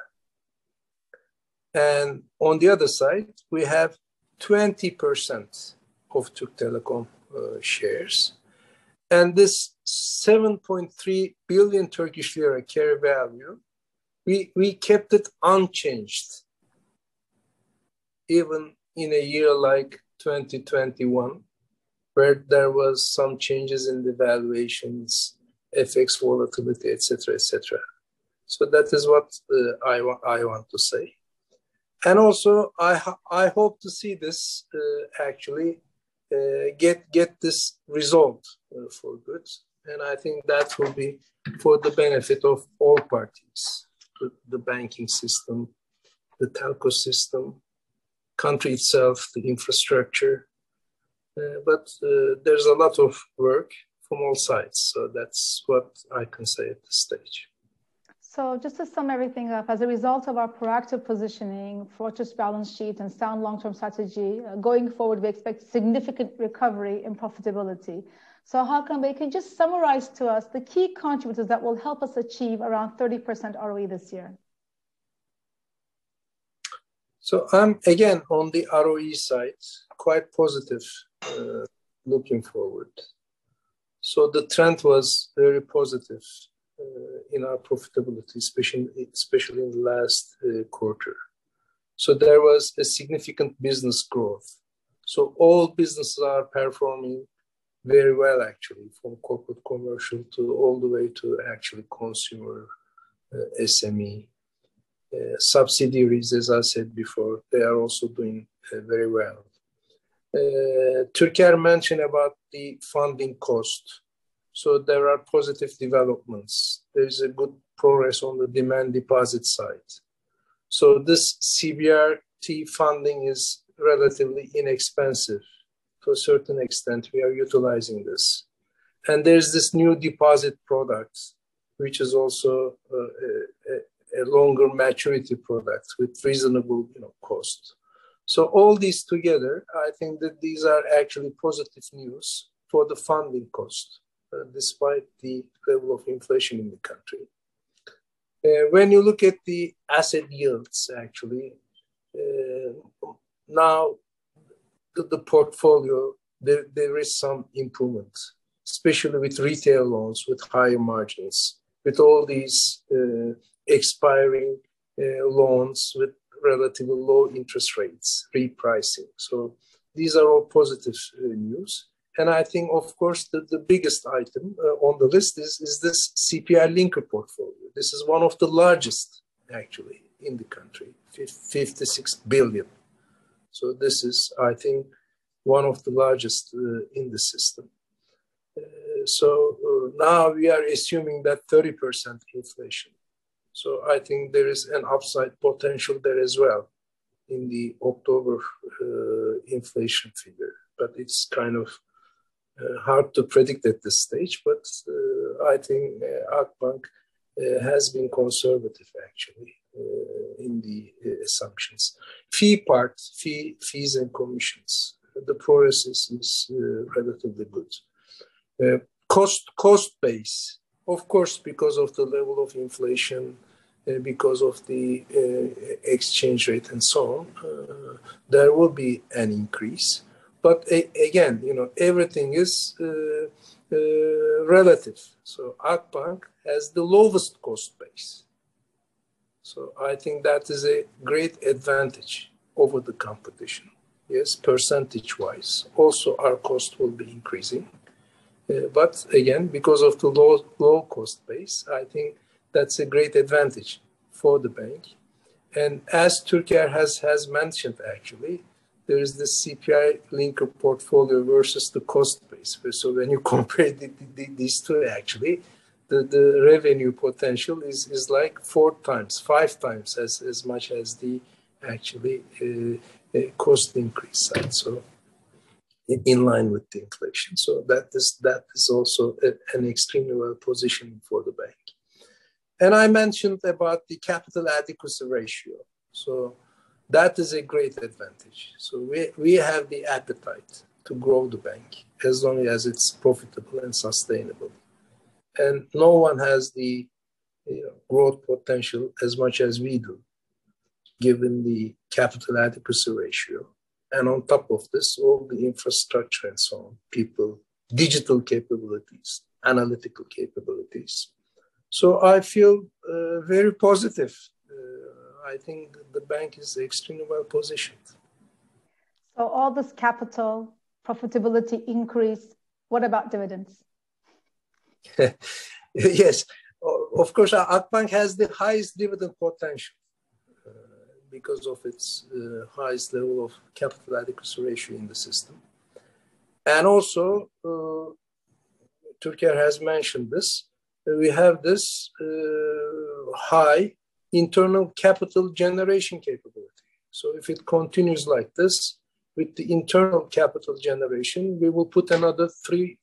On the other side, we have 20% of Türk Telekom shares. This 7.3 billion Turkish lira carry value, we kept it unchanged even in a year like 2021, where there was some changes in the valuations, FX volatility, et cetera. That is what I want to say. Also, I hope to see this actually get this resolved for good. I think that will be for the benefit of all parties, the banking system, the telco system, country itself, the infrastructure. There's a lot of work from all sides. That's what I can say at this stage. Just to sum everything up, as a result of our proactive positioning, fortress balance sheet, and sound long-term strategy, going forward, we expect significant recovery in profitability. Hakan, can you just summarize to us the key contributors that will help us achieve around 30% ROE this year? Again, on the ROE side, quite positive, looking forward. The trend was very positive in our profitability, especially in the last quarter. There was a significant business growth. All businesses are performing very well actually, from corporate commercial to all the way to actual consumer SME. Subsidiaries, as I said before, they are also doing very well. Türker mentioned about the funding cost. There are positive developments. There's a good progress on the demand deposit side. This CBRT funding is relatively inexpensive to a certain extent. We are utilizing this. There's this new deposit product, which is also a longer maturity product with reasonable, you know, cost. All these together, I think that these are actually positive news for the funding cost, despite the level of inflation in the country. When you look at the asset yields, actually, now the portfolio there is some improvement, especially with retail loans, with higher margins, with all these expiring loans with relatively low interest rates repricing. These are all positive news. I think, of course, the biggest item on the list is this CPI linker portfolio. This is one of the largest actually in the country, 56 billion. So this is, I think, one of the largest in the system. Now we are assuming that 30% inflation. I think there is an upside potential there as well in the October inflation figure. But it's kind of hard to predict at this stage. I think Akbank has been conservative actually in the assumptions. Fees and commissions, the progress is relatively good. Cost base, of course, because of the level of inflation, because of the exchange rate and so on, there will be an increase. Again, you know, everything is relative. Akbank has the lowest cost base. I think that is a great advantage over the competition. Yes, percentage-wise, also our cost will be increasing. Again, because of the low cost base, I think that's a great advantage for the bank. As Turker has mentioned, actually, there is this CPI linker portfolio versus the cost base. When you compare these two actually, the revenue potential is like four times, five times as much as the actual cost increase side, so in line with the inflation. That is also an extremely well-positioned for the bank. I mentioned about the capital adequacy ratio. That is a great advantage. We have the appetite to grow the bank as long as it's profitable and sustainable. No one has the, you know, growth potential as much as we do, given the capital adequacy ratio. On top of this, all the infrastructure and so on, people, digital capabilities, analytical capabilities. I feel very positive. I think the bank is extremely well-positioned. All this capital profitability increase, what about dividends? Yes. Of course, Akbank has the highest dividend potential because of its highest level of capital adequacy ratio in the system. Also, Türker has mentioned this, we have this high internal capital generation capability. If it continues like this with the internal capital generation, we will put another 3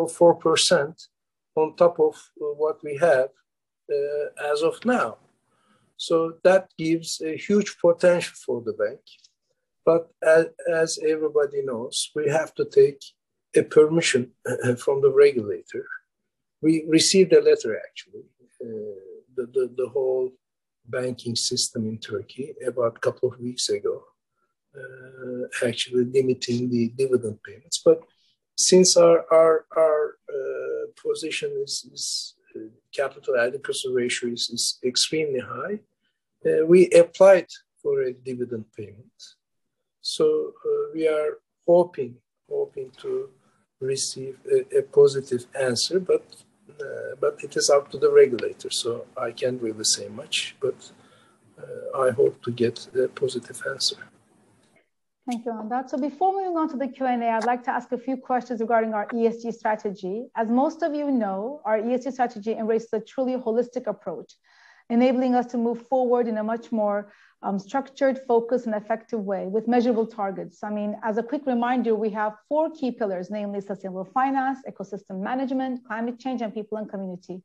or 4% on top of what we have as of now. That gives a huge potential for the bank. As everybody knows, we have to take a permission and from the regulator. We received a letter actually, the whole banking system in Turkey about a couple of weeks ago, actually limiting the dividend payments. Since our position is capital adequacy ratio is extremely high, we applied for a dividend payment. We are hoping to receive a positive answer. It is up to the regulator, so I can't really say much, but I hope to get a positive answer. Thank you. Before we move on to the Q&A, I'd like to ask a few questions regarding our ESG strategy. As most of you know, our ESG strategy embraces a truly holistic approach, enabling us to move forward in a much more structured, focused, and effective way with measurable targets. I mean, as a quick reminder, we have four key pillars, namely sustainable finance, ecosystem management, climate change, and people and community.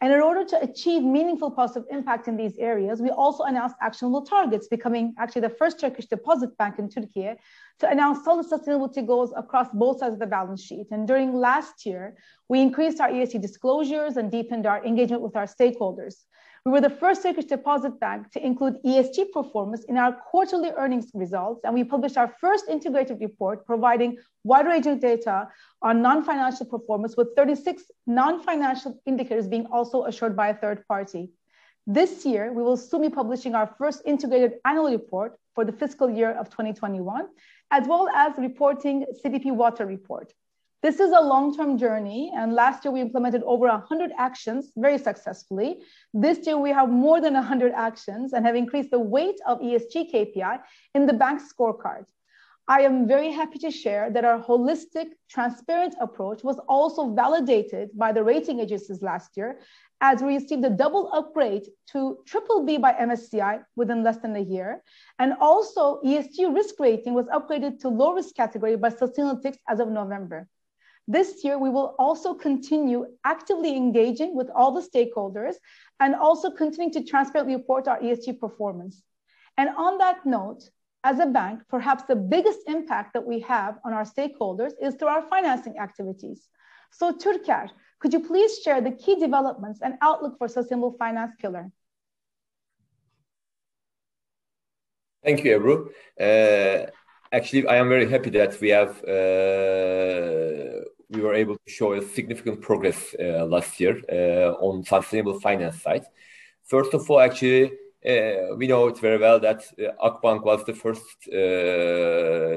In order to achieve meaningful positive impact in these areas, we also announced actionable targets, becoming actually the first Turkish deposit bank in Turkey to announce solid sustainability goals across both sides of the balance sheet. During last year, we increased our ESG disclosures and deepened our engagement with our stakeholders. We were the first Turkish deposit bank to include ESG performance in our quarterly earnings results, and we published our first integrated report providing wide-ranging data on non-financial performance, with 36 non-financial indicators being also assured by a third party. This year, we will soon be publishing our first integrated annual report for the fiscal year of 2021, as well as reporting CDP water report. This is a long-term journey, and last year we implemented over 100 actions very successfully. This year we have more than 100 actions and have increased the weight of ESG KPI in the bank scorecard. I am very happy to share that our holistic transparent approach was also validated by the rating agencies last year as we received a double upgrade to BBB by MSCI within less than a year. Also ESG risk rating was upgraded to low-risk category by Sustainalytics as of November. This year, we will also continue actively engaging with all the stakeholders and also continuing to transparently report our ESG performance. On that note, as a bank, perhaps the biggest impact that we have on our stakeholders is through our financing activities. Türker, could you please share the key developments and outlook for sustainable finance pillar? Thank you, Ebru. Actually, I am very happy that we were able to show a significant progress last year on sustainable finance side. First of all, actually, we know it very well that Akbank was the first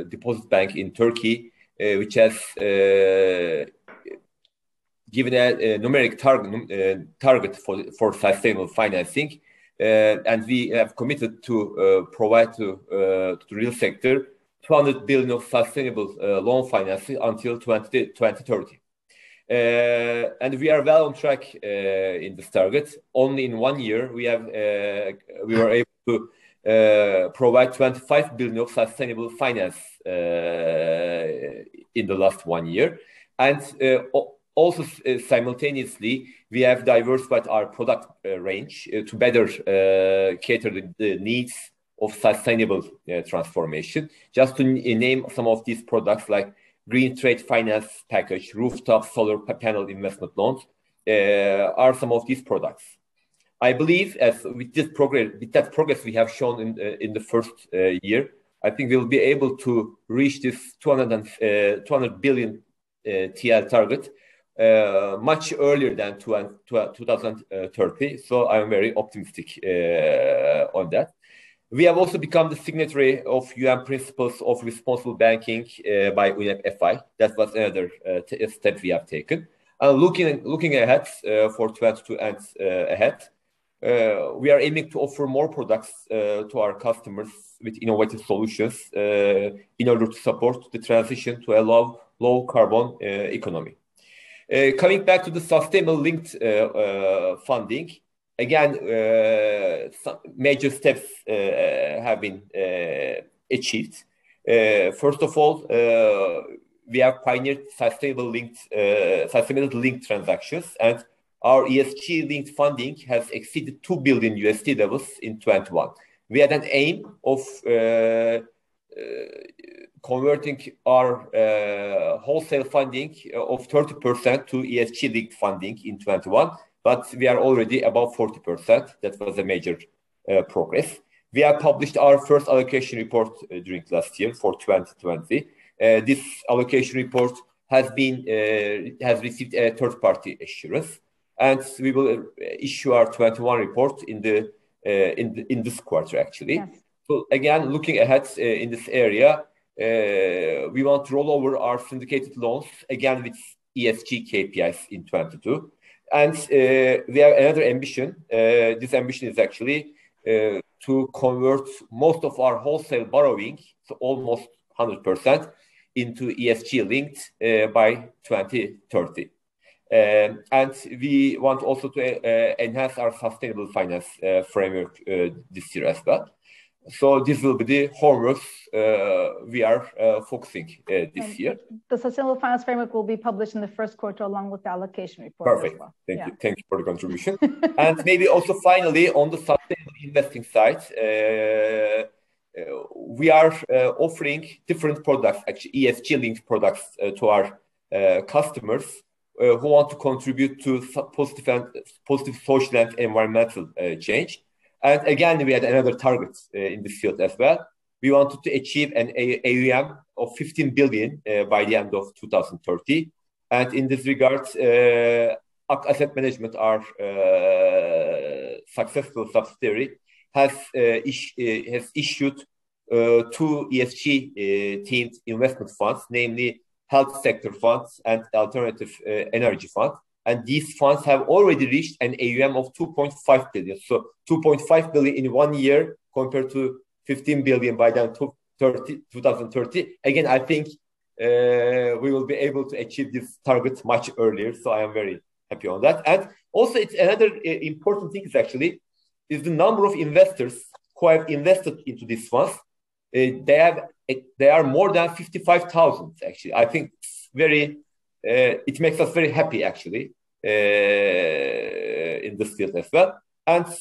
deposit bank in Turkey which has given a numeric target for sustainable financing. We have committed to provide to the real sector 200 billion of sustainable loan financing until 2030. We are well on track in this target. Only in one year, we were able to provide 25 billion of sustainable finance in the last one year. Also simultaneously, we have diversified our product range to better cater the needs of sustainable transformation. Just to name some of these products like green trade finance package, rooftop solar panel investment loans, are some of these products. I believe with the progress we have shown in the first year, I think we'll be able to reach this 200 billion TL target much earlier than 2030. I'm very optimistic on that. We have also become the signatory of UN Principles for Responsible Banking by UNEP FI. That was another step we have taken. Looking ahead for 2022 and ahead, we are aiming to offer more products to our customers with innovative solutions in order to support the transition to a low carbon economy. Coming back to the sustainability-linked funding, again, some major steps have been achieved. First of all, we have pioneered sustainability-linked transactions, and our ESG-linked funding has exceeded $2 billion levels in 2021. We had an aim of converting our wholesale funding of 30% to ESG-linked funding in 2021, but we are already above 40%. That was a major progress. We have published our first allocation report during last year for 2020. This allocation report has received a third-party assurance, and we will issue our 2021 report in this quarter actually. Yes. Again, looking ahead, in this area, we want to roll over our syndicated loans again with ESG KPIs in 2022. We have another ambition. This ambition is actually to convert most of our wholesale borrowing to almost 100% into ESG-linked by 2030. We want also to enhance our sustainable finance framework this year as well. This will be the homework we are focusing this year. The sustainable finance framework will be published in the first quarter along with the allocation report as well. Perfect. Yeah. Thank you. Thank you for the contribution. Maybe also finally, on the sustainable investing side, we are offering different products, actually ESG-linked products, to our customers who want to contribute to positive social and environmental change. Again, we had another target in this field as well. We wanted to achieve an AUM of 15 billion by the end of 2030. In this regard, Ak Asset Management, our successful subsidiary, has issued two ESG themed investment funds, namely health sector funds and alternative energy funds. These funds have already reached an AUM of 2.5 billion. 2.5 billion in one year compared to 15 billion by 2030. Again, I think we will be able to achieve these targets much earlier, so I am very happy on that. Also it's another important thing is actually the number of investors who have invested into these funds. They are more than 55,000 actually. I think it makes us very happy actually in this field as well.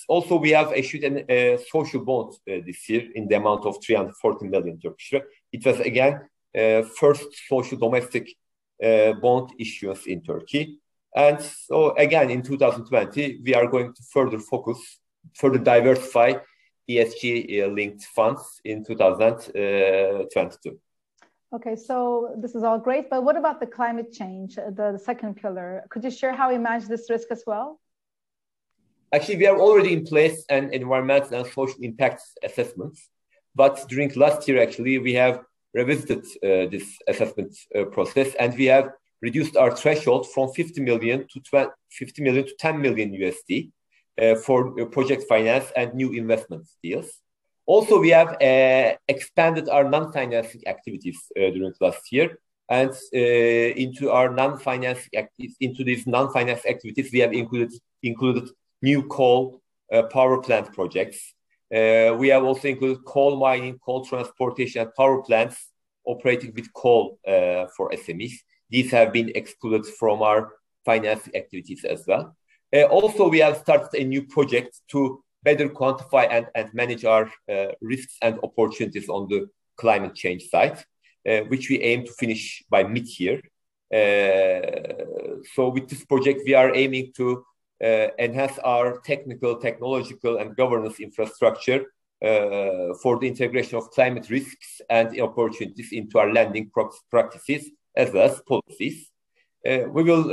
Also we have issued a social bond this year in the amount of 340 million. It was again first social domestic bond issuance in Turkey. In 2020, we are going to further focus, further diversify ESG linked funds in 2022. Okay, this is all great, but what about the climate change, the second pillar? Could you share how we manage this risk as well? Actually we have already in place an environmental and social impact assessments. During last year actually we have revisited this assessment process and we have reduced our threshold from $50 million-$10 million for project finance and new investment deals. Also, we have expanded our non-financing activities during last year and into these non-finance activities, we have included new coal power plant projects. We have also included coal mining, coal transportation, and power plants operating with coal for SMEs. These have been excluded from our financing activities as well. Also we have started a new project to better quantify and manage our risks and opportunities on the climate change side, which we aim to finish by mid-year. With this project we are aiming to enhance our technical, technological, and governance infrastructure for the integration of climate risks and opportunities into our lending practices as well as policies. We will,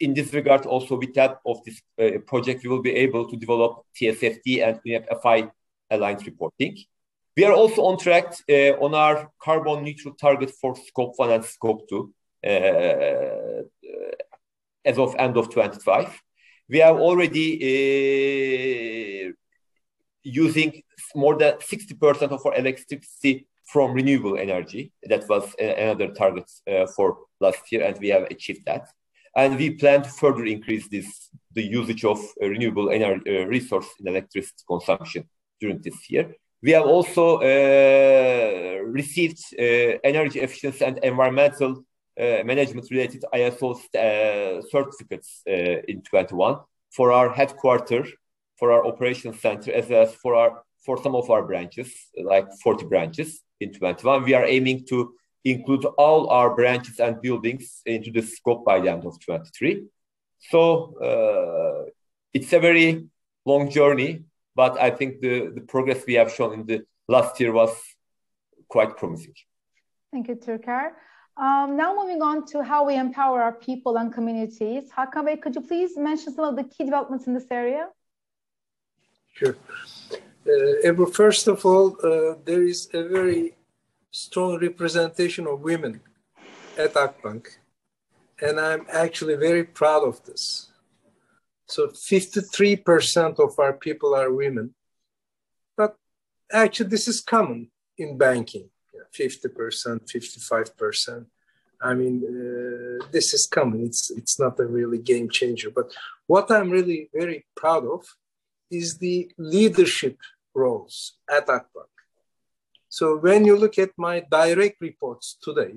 in this regard, also with that of this project, be able to develop TCFD- and TNFD-aligned reporting. We are also on track on our carbon-neutral target for Scope 1 and Scope 2 as of end of 2025. We are already using more than 60% of our electricity from renewable energy. That was another target for last year, and we have achieved that. We plan to further increase this, the usage of renewable resource in electricity consumption during this year. We have also received energy efficiency and environmental management-related ISO certificates in 2021 for our headquarters, for our operations center, as well as for some of our branches, like 40 branches in 2021. We are aiming to include all our branches and buildings into the scope by the end of 2023. It's a very long journey, but I think the progress we have shown in the last year was quite promising. Thank you, Türker. Now moving on to how we empower our people and communities. Hakan Bey, could you please mention some of the key developments in this area? Sure. Ebru, first of all, there is a very strong representation of women at Akbank, and I'm actually very proud of this. 53% of our people are women, but actually this is common in banking. Yeah, 50%, 55%. I mean, this is common. It's not really a game changer. What I'm really very proud of is the leadership roles at Akbank. When you look at my direct reports today,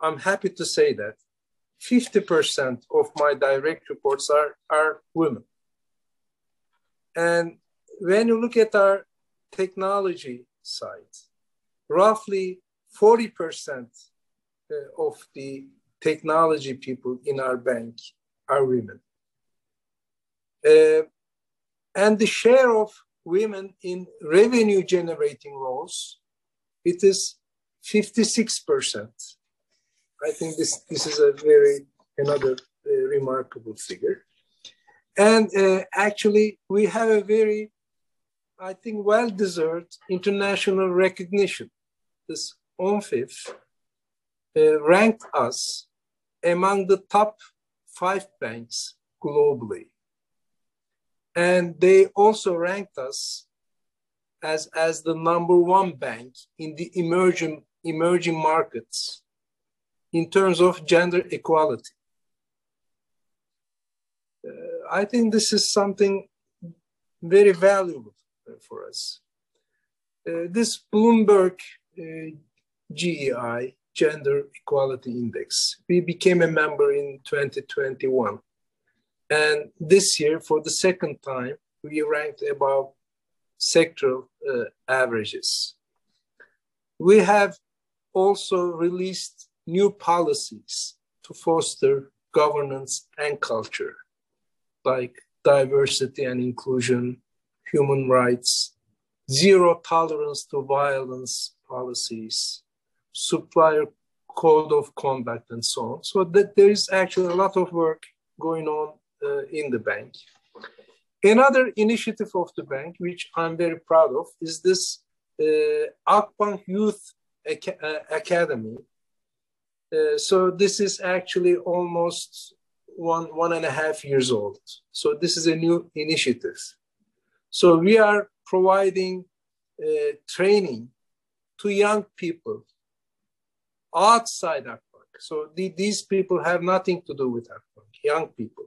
I'm happy to say that 50% of my direct reports are women. When you look at our technology side, roughly 40% of the technology people in our bank are women. The share of women in revenue generating roles, it is 56%. I think this is a very another remarkable figure. Actually we have a very, I think, well-deserved international recognition. This OMFIF ranked us among the top five banks globally, and they also ranked us as the number one bank in the emerging markets in terms of gender equality. I think this is something very valuable for us. This Bloomberg GEI, Gender Equality Index, we became a member in 2021, and this year for the second time, we ranked above sectoral averages. We have also released new policies to foster governance and culture like diversity and inclusion, human rights, zero tolerance to violence policies, supplier code of conduct, and so on. There is actually a lot of work going on in the bank. Another initiative of the bank, which I'm very proud of, is this Akbank Youth Academy. This is actually almost one and a half years old, so this is a new initiative. We are providing training to young people outside Akbank. These people have nothing to do with Akbank, young people.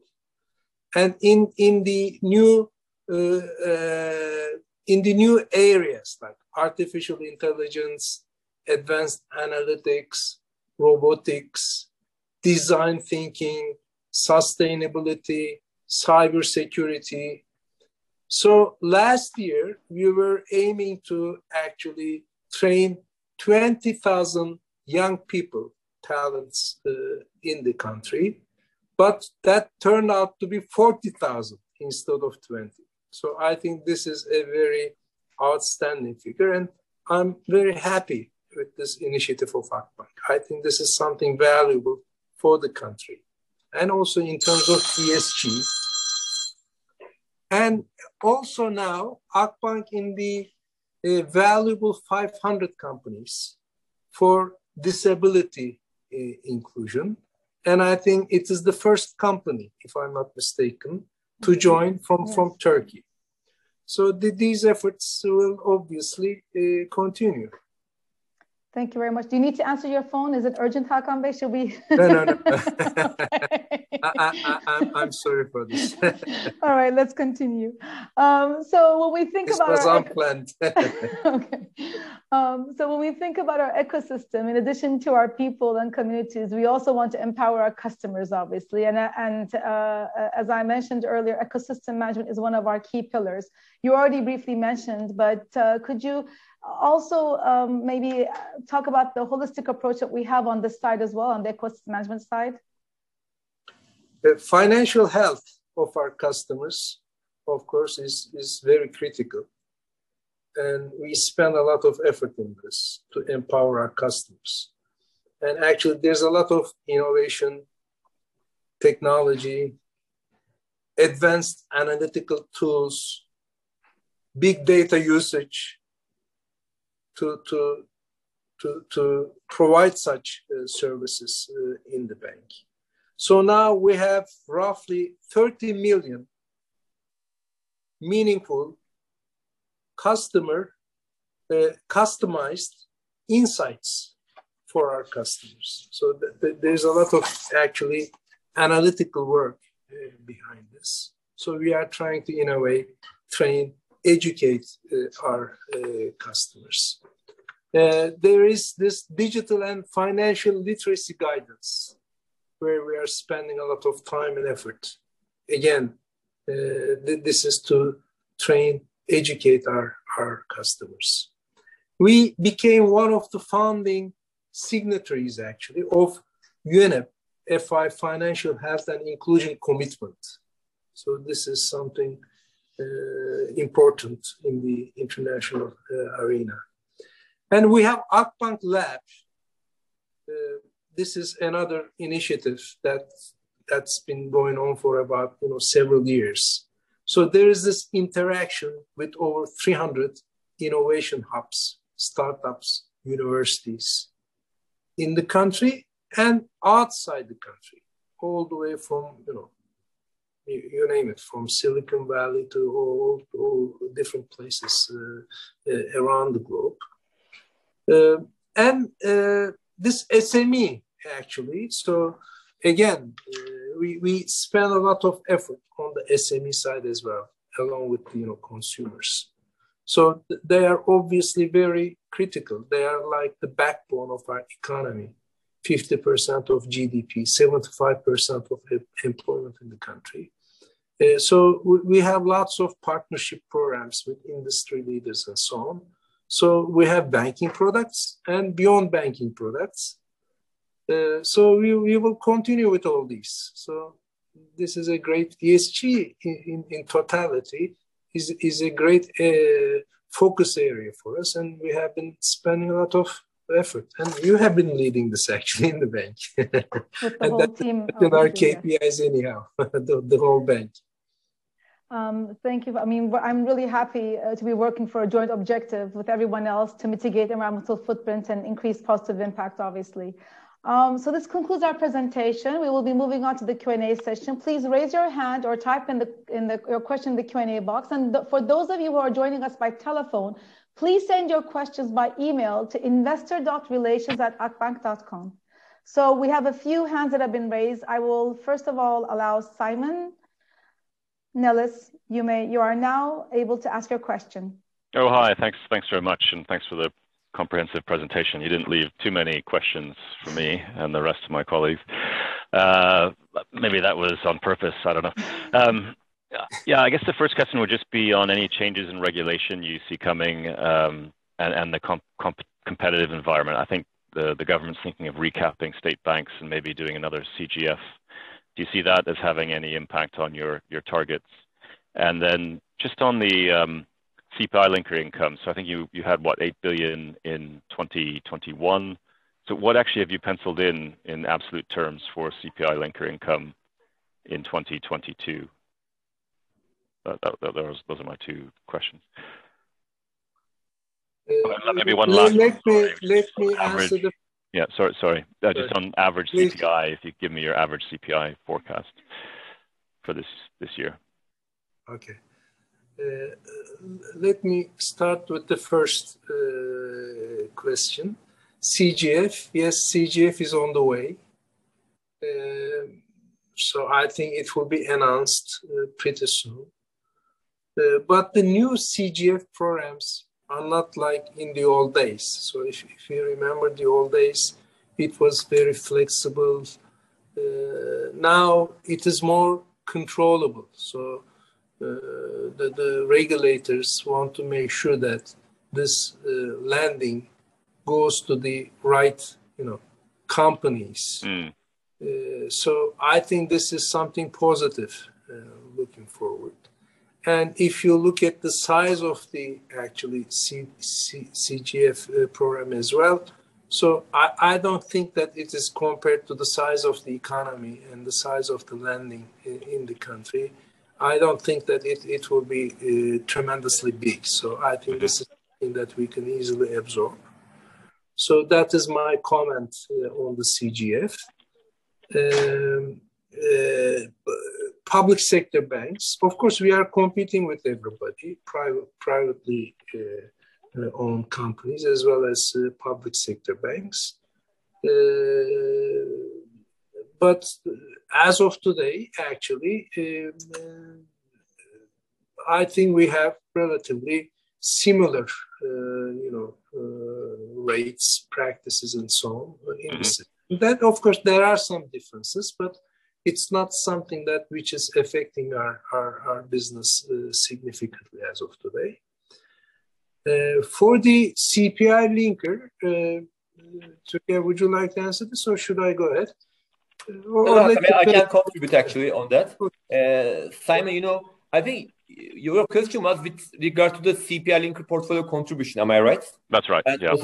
In the new areas like artificial intelligence, advanced analytics, robotics, design thinking, sustainability, cybersecurity. Last year we were aiming to actually train 20,000 young people, talents, in the country, but that turned out to be 40,000 instead of 20. I think this is a very outstanding figure, and I'm very happy with this initiative of Akbank. I think this is something valuable for the country and also in terms of ESG. Also now Akbank in the Valuable 500 companies for disability inclusion, and I think it is the first company, if I'm not mistaken. Mm-hmm... to join from- Yes... from Turkey. These efforts will obviously continue. Thank you very much. Do you need to answer your phone? Is it urgent, Hakan Bey? Should we No, no. I'm sorry for this. All right, let's continue. When we think about our- This was unplanned. Okay. When we think about our ecosystem, in addition to our people and communities, we also want to empower our customers obviously. As I mentioned earlier, ecosystem management is one of our key pillars. You already briefly mentioned, but could you also maybe talk about the holistic approach that we have on this side as well, on the ecosystem management side? The financial health of our customers, of course, is very critical, and we spend a lot of effort on this to empower our customers. Actually there's a lot of innovation, technology, advanced analytical tools, big data usage to provide such services in the bank. Now we have roughly 30 million meaningful customer customized insights for our customers. There's a lot of actually analytical work behind this. We are trying to, in a way, train, educate our customers. There is this digital and financial literacy guidance where we are spending a lot of time and effort. Again, this is to train, educate our customers. We became one of the founding signatories actually of UNEP FI Financial Health and Inclusion Commitment, so this is something important in the international arena. We have Akbank Lab. This is another initiative that's been going on for about, you know, several years. There is this interaction with over 300 innovation hubs, startups, universities in the country and outside the country, all the way from, you know, you name it, from Silicon Valley to all different places around the globe. This SME actually, so again, we spend a lot of effort on the SME side as well, along with, you know, consumers. They are obviously very critical. They are like the backbone of our economy, 50% of GDP, 75% of employment in the country. We have lots of partnership programs with industry leaders and so on. We have banking products and beyond banking products. We will continue with all these. This is a great ESG in totality, is a great focus area for us, and we have been spending a lot of effort. You have been leading this actually in the bank. With the whole team. Our KPIs anyhow. The whole bank. Thank you. I mean, I'm really happy to be working for a joint objective with everyone else to mitigate environmental footprint and increase positive impact, obviously. This concludes our presentation. We will be moving on to the Q&A session. Please raise your hand or type your question in the Q&A box. For those of you who are joining us by telephone, please send your questions by email to investor.relations@akbank.com. We have a few hands that have been raised. I will first of all allow Simon Nellis. You may, you are now able to ask your question. Oh, hi. Thanks. Thanks very much, and thanks for the comprehensive presentation. You didn't leave too many questions for me and the rest of my colleagues. Maybe that was on purpose. I don't know. Yeah, I guess the first question would just be on any changes in regulation you see coming, and the competitive environment. I think the government's thinking of recapping state banks and maybe doing another CGF. Do you see that as having any impact on your targets? And then just on the CPI-linked income. So I think you had, what? 8 billion in 2021. So what actually have you penciled in in absolute terms for CPI-linked income in 2022? Those are my two questions. Uh- Maybe one last one. Let me answer the- Yeah. Sorry. Sorry. Just on average CPI. Please. If you give me your average CPI forecast for this year? Okay. Let me start with the first question. CGF. Yes, CGF is on the way. I think it will be announced pretty soon. The new CGF programs are not like in the old days. If you remember the old days, it was very flexible. Now it is more controllable. The regulators want to make sure that this lending goes to the right, you know, companies. Mm. I think this is something positive looking forward. If you look at the size of the actual CGF program as well. I don't think that it is compared to the size of the economy and the size of the lending in the country. I don't think that it will be tremendously big. I think- Okay This is something that we can easily absorb. That is my comment on the CGF. Public sector banks. Of course, we are competing with everybody, privately owned companies as well as public sector banks. As of today, actually, I think we have relatively similar rates, practices and so on. Mm-hmm. In this, of course, there are some differences, but it's not something that which is affecting our business significantly as of today. For the CPI linker, Turker, would you like to answer this or should I go ahead? Or let me- No, I mean, I can contribute actually on that. Good. Simon, you know, I think your question was with regard to the CPI linker portfolio contribution. Am I right? That's right, yeah.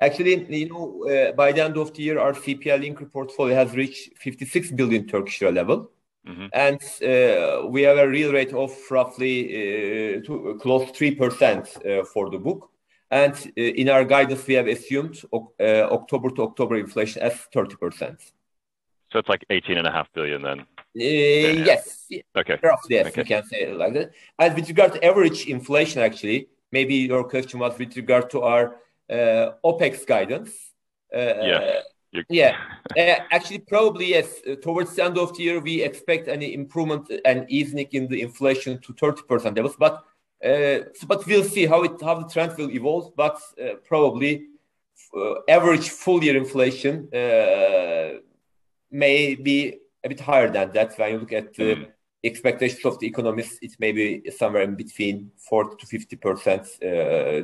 Actually, you know, by the end of the year, our CPI linker portfolio has reached 56 billion level. Mm-hmm. We have a real rate of roughly close to 3% for the book. In our guidance, we have assumed October to October inflation as 30%. It's like 18.5 billion then. Yes. Okay. Roughly, yes. Okay. You can say it like that. As with regard to average inflation, actually, maybe your question was with regard to our OpEx guidance. Yeah. Yeah. Actually, probably, yes. Towards the end of the year, we expect an improvement, an easing in the inflation to 30% levels. We'll see how the trend will evolve. Probably, average full-year inflation may be a bit higher than that when you look at the- Mm Expectations of the economists. It may be somewhere in between 40%-50%,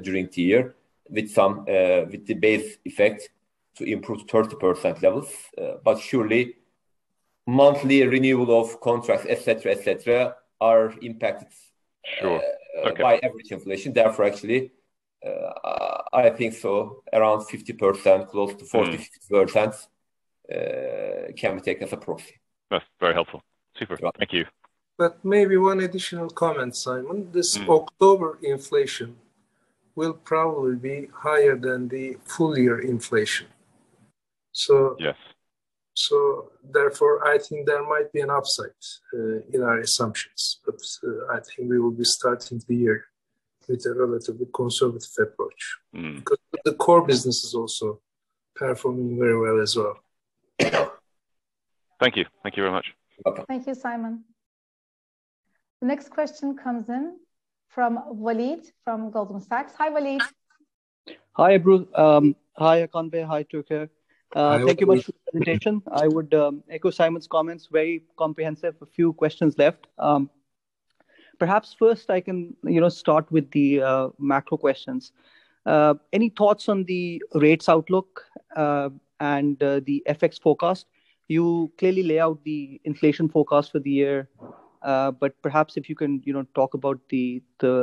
during the year with some, with the base effect to improve to 30% levels. Surely monthly renewal of contracts, et cetera, are impacted. Sure. Okay by average inflation. Therefore, actually, I think so, around 50%, close to 46%. Mm Can be taken as a profit. That's very helpful. Super. Yeah. Thank you. Maybe one additional comment, Simon. Mm. This October inflation will probably be higher than the full-year inflation. Yes Therefore, I think there might be an upside in our assumptions. I think we will be starting the year with a relatively conservative approach. Mm. Because the core business is also performing very well as well. Thank you. Thank you very much. Okay. Thank you, Simon. The next question comes in from Waleed from Goldman Sachs. Hi, Waleed. Hi, Ebru. Hi, Hakan. Hi, Turker. Hi, Waleed. Thank you both for the presentation. I would echo Simon's comments, very comprehensive. A few questions left. Perhaps first I can, you know, start with the macro questions. Any thoughts on the rates outlook and the FX forecast? You clearly lay out the inflation forecast for the year. Perhaps if you can, you know, talk about the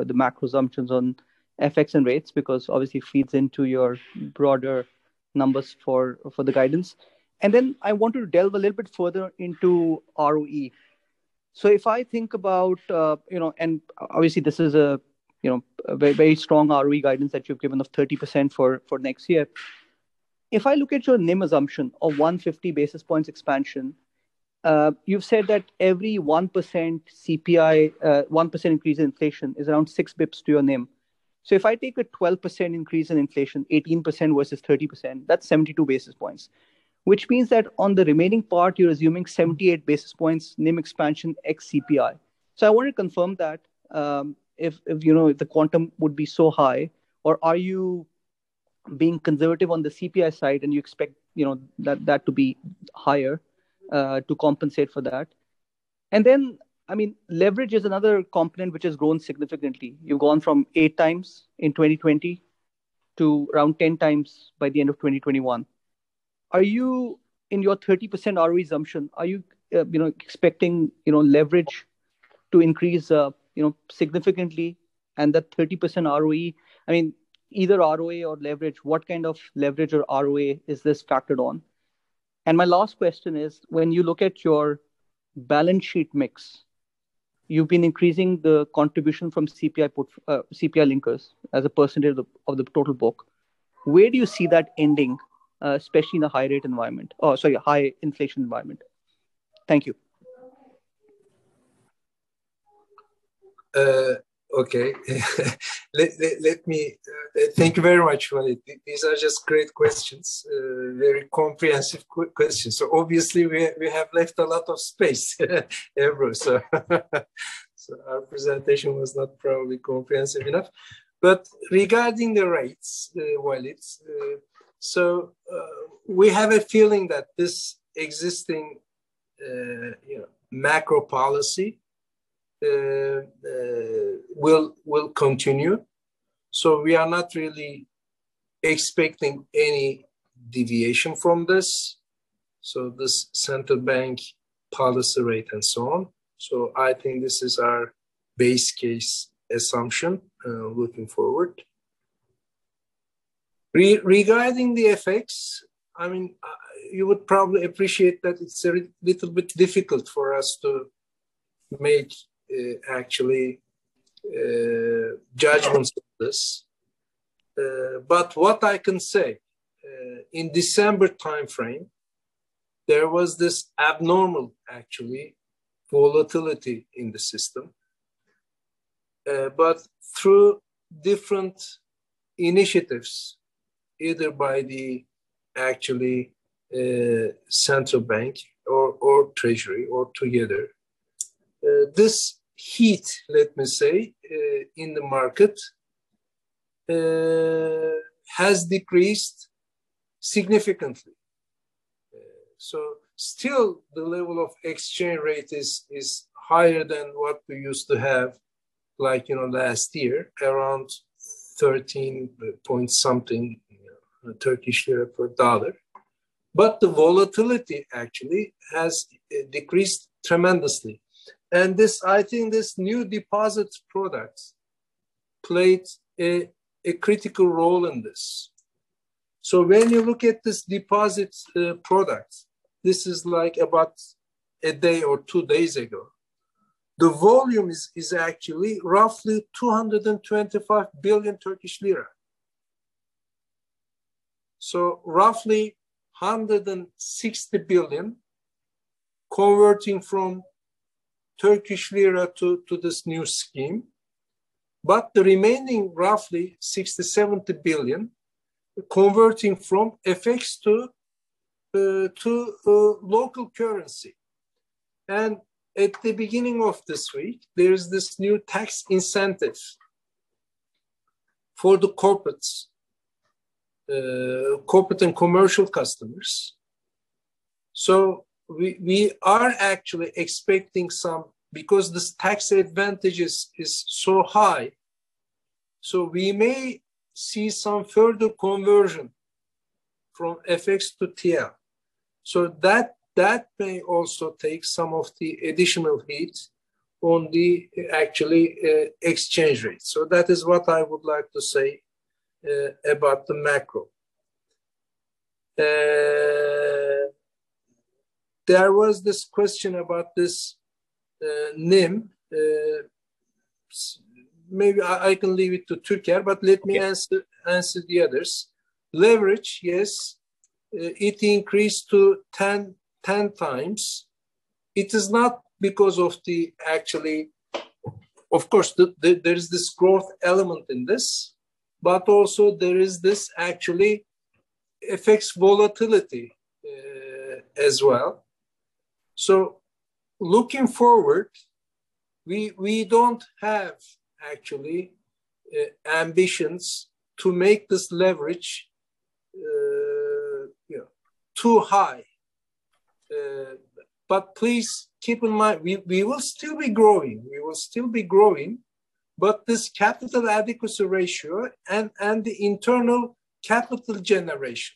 macro assumptions on FX and rates, because obviously it feeds into your broader numbers for the guidance. Then I wanted to delve a little bit further into ROE. If I think about, you know, and obviously this is a, you know, a very strong ROE guidance that you've given of 30% for next year. If I look at your NIM assumption of 150 basis points expansion, you've said that every 1% CPI, 1% increase in inflation is around six basis points to your NIM. If I take a 12% increase in inflation, 18% versus 30%, that's 72 basis points, which means that on the remaining part, you're assuming 78 basis points NIM expansion ex CPI. I want to confirm that, if you know, if the quantum would be so high or are you being conservative on the CPI side and you expect, you know, that to be higher, to compensate for that? I mean, leverage is another component which has grown significantly. You've gone from 8x in 2020 to around 10x by the end of 2021. Are you, in your 30% ROE assumption, expecting leverage to increase significantly and that 30% ROE—I mean, either ROA or leverage, what kind of leverage or ROA is this factored on? My last question is, when you look at your balance sheet mix, you've been increasing the contribution from CPI linkers as a percentage of the total book. Where do you see that ending, especially in a high rate environment? Oh, sorry, high inflation environment. Thank you. Thank you very much, Waleed. These are just great questions. Very comprehensive questions. Obviously we have left a lot of space, Ebru. Our presentation was not probably comprehensive enough. Regarding the rates, Waleed, we have a feeling that this existing you know macro policy will continue. We are not really expecting any deviation from this central bank policy rate and so on. I think this is our base case assumption looking forward. Regarding the FX, I mean, you would probably appreciate that it's a little bit difficult for us to make actually judgments of this. What I can say, in December timeframe, there was this abnormal actually volatility in the system. Through different initiatives, either by the, actually, central bank or treasury or together, this heat, let me say, in the market, has decreased significantly. Still the level of exchange rate is higher than what we used to have, like, you know, last year, around 13 point something, you know, Turkish lira per dollar. The volatility actually has decreased tremendously. This, I think this new deposits products played a critical role in this. When you look at this deposits products, this is like about a day or two days ago. The volume is actually roughly 225 billion Turkish lira. Roughly 160 billion converting from Turkish lira to this new scheme. The remaining roughly 60 billion- 70 billion converting from FX to local currency. At the beginning of this week, there's this new tax incentive for corporates, corporate and commercial customers. We are actually expecting some because this tax advantage is so high, so we may see some further conversion from FX to TL. That may also take some of the additional heat on the actually exchange rate. That is what I would like to say about the macro. There was this question about this NIM. Maybe I can leave it to Türker, but let me answer the others. Leverage, yes, it increased to 10x. It is not because of the actually. Of course, there is this growth element in this, but also there is this actually affects volatility, as well. Looking forward, we don't have actually ambitions to make this leverage, you know, too high. Please keep in mind, we will still be growing. This capital adequacy ratio and the internal capital generation.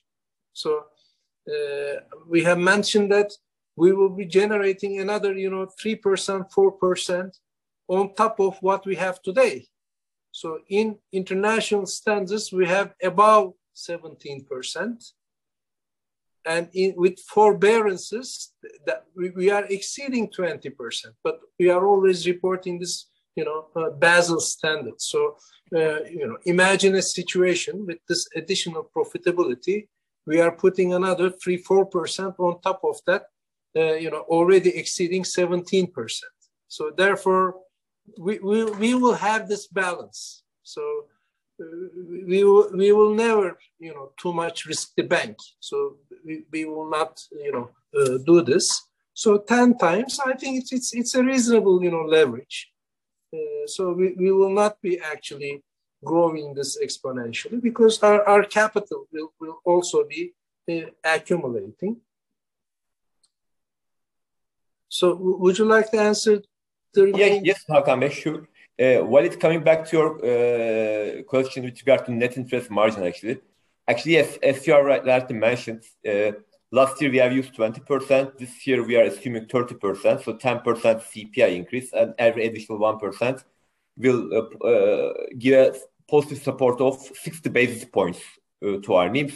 We have mentioned that we will be generating another, you know, 3%-4% on top of what we have today. In international standards, we have above 17%. With forbearances, we are exceeding 20%, but we are always reporting this, you know, Basel standard. Imagine a situation with this additional profitability, we are putting another 3%-4% on top of that, you know, already exceeding 17%. Therefore, we will have this balance. We will never, you know, too much risk the bank. We will not, you know, do this. 10x, I think it's a reasonable, you know, leverage. We will not be actually growing this exponentially because our capital will also be accumulating. Would you like to answer the- Yes, Hakan, sure. While it's coming back to your question with regard to net interest margin, actually, yes, as you are right, like you mentioned, last year we have used 20%, this year we are assuming 30%, so 10% CPI increase, and every additional 1% will give positive support of 60 basis points to our NIM.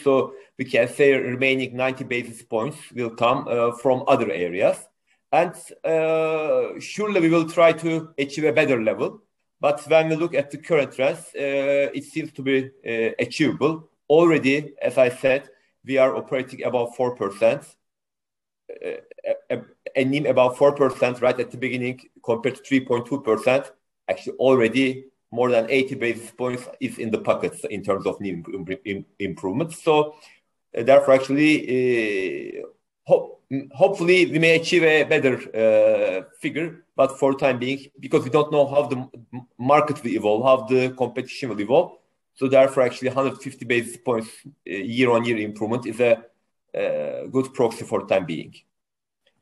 We can say remaining 90 basis points will come from other areas. Surely we will try to achieve a better level. When we look at the current rates, it seems to be achievable. Already, as I said, we are operating above 4%. A NIM above 4% right at the beginning compared to 3.2%, actually already more than 80 basis points is in the pockets in terms of NIM improvement. Therefore, actually, hopefully we may achieve a better figure, but for the time being, because we don't know how the market will evolve, how the competition will evolve, therefore, actually 150 basis points year-on-year improvement is a good proxy for the time being.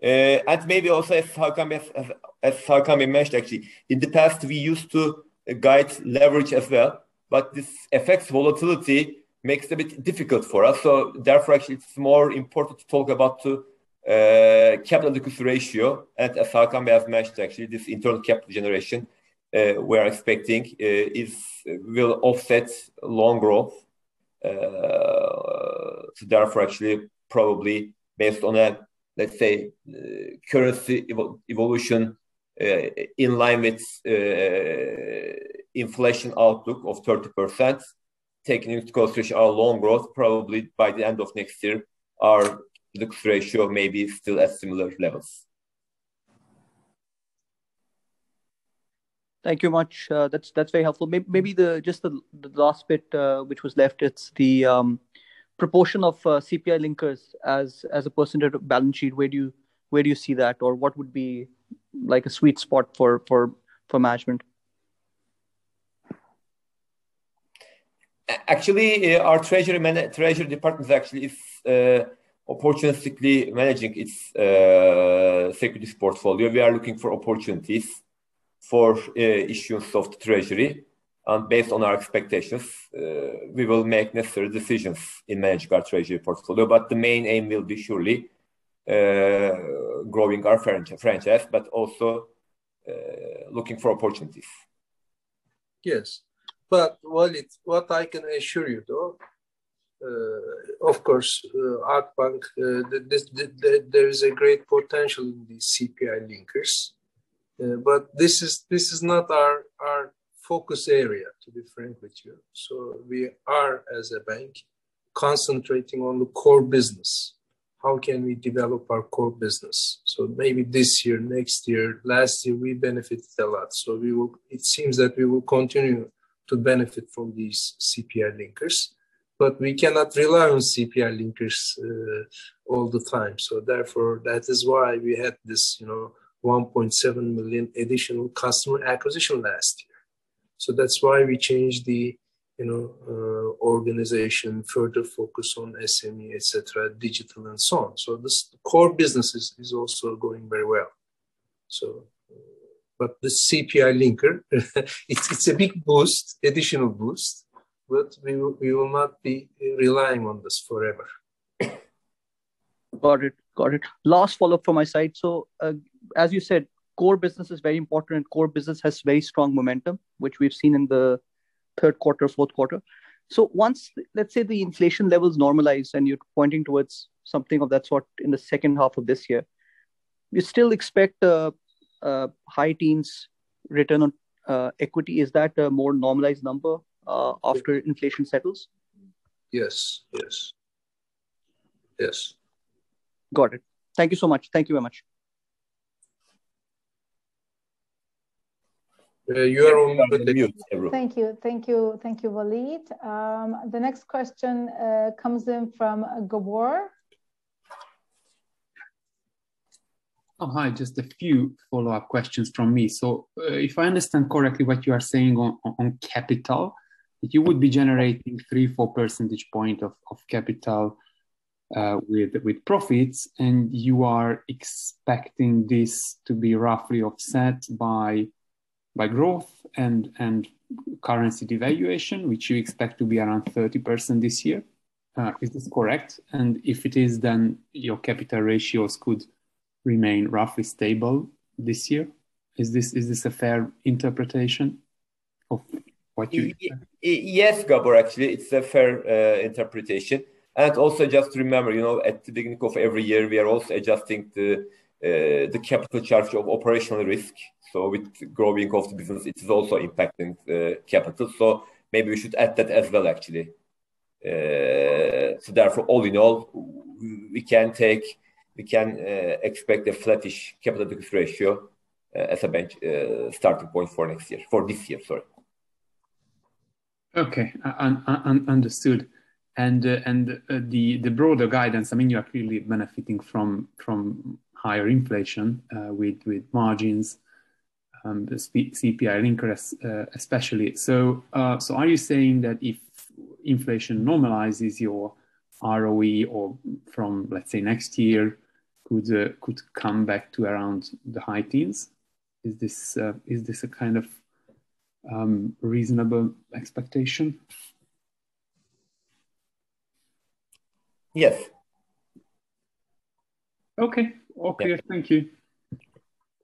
Maybe also as Hakan Binbaşgil mentioned actually, in the past we used to guide leverage as well, but this affects volatility, makes it a bit difficult for us. Therefore, actually it's more important to talk about the capital adequacy ratio. As Hakan Binbaşgil has mentioned actually, this internal capital generation we are expecting is... will offset loan growth. Therefore, actually probably based on that, let's say, currency evolution in line with inflation outlook of 30%, taking into consideration our loan growth, probably by the end of next year, our liquidity ratio may be still at similar levels. Thank you much. That's very helpful. Maybe just the last bit, which was left, it's the proportion of CPI linkers as a percentage of balance sheet. Where do you see that, or what would be like a sweet spot for management? Actually, our treasury department actually is opportunistically managing its securities portfolio. We are looking for opportunities for issuance of treasury. Based on our expectations, we will make necessary decisions in managing our treasury portfolio. The main aim will be surely growing our franchise, but also looking for opportunities. Yes. Waleed, what I can assure you, though, of course, Akbank, there is a great potential in these CPI linkers, but this is not our focus area, to be frank with you. We are, as a bank, concentrating on the core business. How can we develop our core business? Maybe this year, next year, last year, we benefited a lot. We will. It seems that we will continue to benefit from these CPI linkers, but we cannot rely on CPI linkers all the time. Therefore, that is why we had this, you know, 1.7 million additional customer acquisition last year. That's why we changed the, you know, organization, further focus on SME, et cetera, digital and so on. This core business is also going very well. The CPI linker, it's a big boost, additional boost, but we will not be relying on this forever. Got it. Last follow-up from my side. As you said, core business is very important. Core business has very strong momentum, which we've seen in the third quarter, fourth quarter. Once, let's say, the inflation levels normalize, and you're pointing towards something of that sort in the second half of this year, you still expect a high teens return on equity? Is that a more normalized number after inflation settles? Yes. Yes. Yes. Got it. Thank you so much. Thank you very much. You are on mute, Evrim. Thank you, Waleed. The next question comes in from Gabor. Oh, hi. Just a few follow-up questions from me. If I understand correctly what you are saying on capital, you would be generating 3-4 percentage points of capital with profits, and you are expecting this to be roughly offset by growth and currency devaluation, which you expect to be around 30% this year. Is this correct? And if it is, then your capital ratios could remain roughly stable this year. Is this a fair interpretation of what you- Yes, Gabor, actually, it's a fair interpretation. Also just remember, you know, at the beginning of every year, we are also adjusting the capital charge of operational risk. With growing cost of business, it is also impacting capital. Maybe we should add that as well, actually. Therefore, all in all, we can expect a flattish capital adequacy ratio as a starting point for next year. For this year, sorry. Okay. Understood. The broader guidance, I mean, you are clearly benefiting from higher inflation with margins, the CPI link, especially. Are you saying that if inflation normalizes your ROE or from, let's say, next year could come back to around the high teens? Is this a kind of reasonable expectation? Yes. Okay. Okay. Thank you.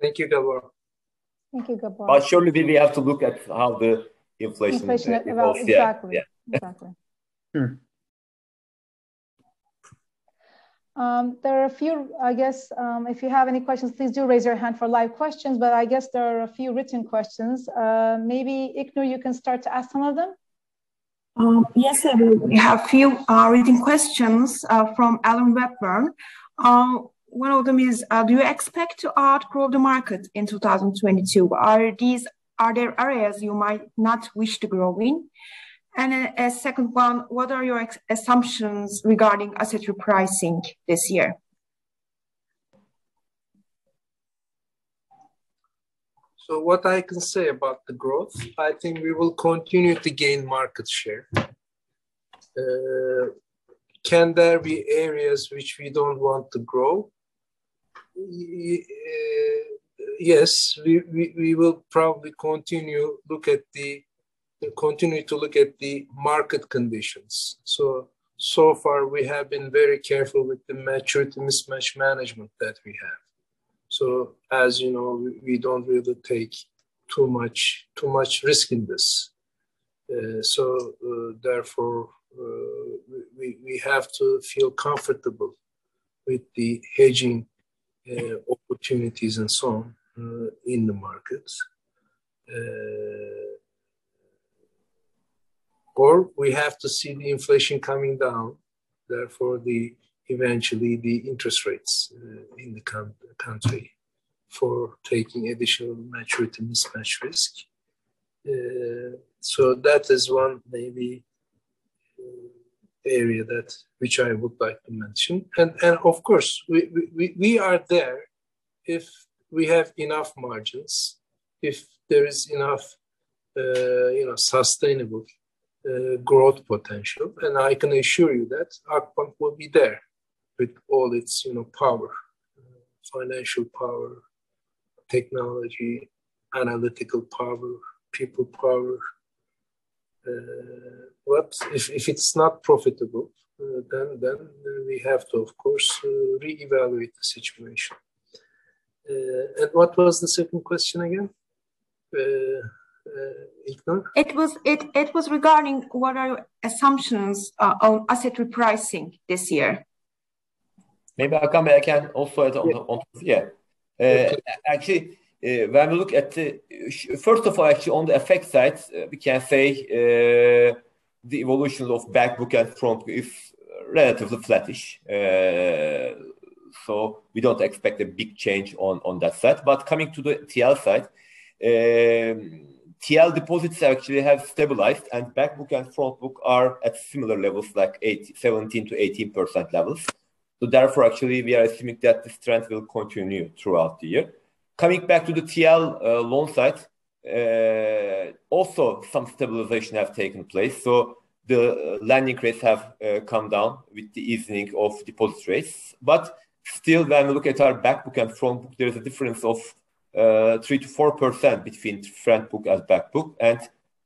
Thank you, Gabor. Thank you, Gabor. Surely we have to look at how the inflation. Inflation evolves. Yeah. Exactly. Yeah. Exactly. Mm. There are a few. I guess, if you have any questions, please do raise your hand for live questions, but I guess there are a few written questions. Maybe, Ilknur, you can start to ask some of them. Yes, Ebru. We have a few written questions from Ellen Blackburn. One of them is, do you expect to outgrow the market in 2022? Are there areas you might not wish to grow in? A second one, what are your FX assumptions regarding asset repricing this year? What I can say about the growth, I think we will continue to gain market share. Can there be areas which we don't want to grow? Yes, we will probably continue to look at the market conditions. So far, we have been very careful with the maturity mismatch management that we have. As you know, we don't really take too much risk in this. Therefore, we have to feel comfortable with the hedging opportunities and so on in the markets. Or we have to see the inflation coming down, therefore eventually the interest rates in the country for taking additional maturity mismatch risk. That is one maybe area that which I would like to mention. Of course, we are there if we have enough margins, if there is enough, you know, sustainable growth potential. I can assure you that Akbank will be there with all its, you know, power, financial power, technology, analytical power, people power. If it's not profitable, then we have to of course reevaluate the situation. What was the second question again, Ilknur? It was regarding what are your assumptions on asset repricing this year? Maybe I'll come back and offer it on, yeah. Okay. Actually, when we look at first of all, actually, on the FX side, we can say the evolution of back book and front book is relatively flattish. We don't expect a big change on that side. Coming to the TL side, TL deposits actually have stabilized, and back book and front book are at similar levels, like 8.17%-8.18% levels. Therefore, actually, we are assuming that this trend will continue throughout the year. Coming back to the TL loan side, also some stabilization have taken place. The lending rates have come down with the easing of deposit rates. Still, when we look at our back book and front book, there's a difference of 3%-4% between front book and back book.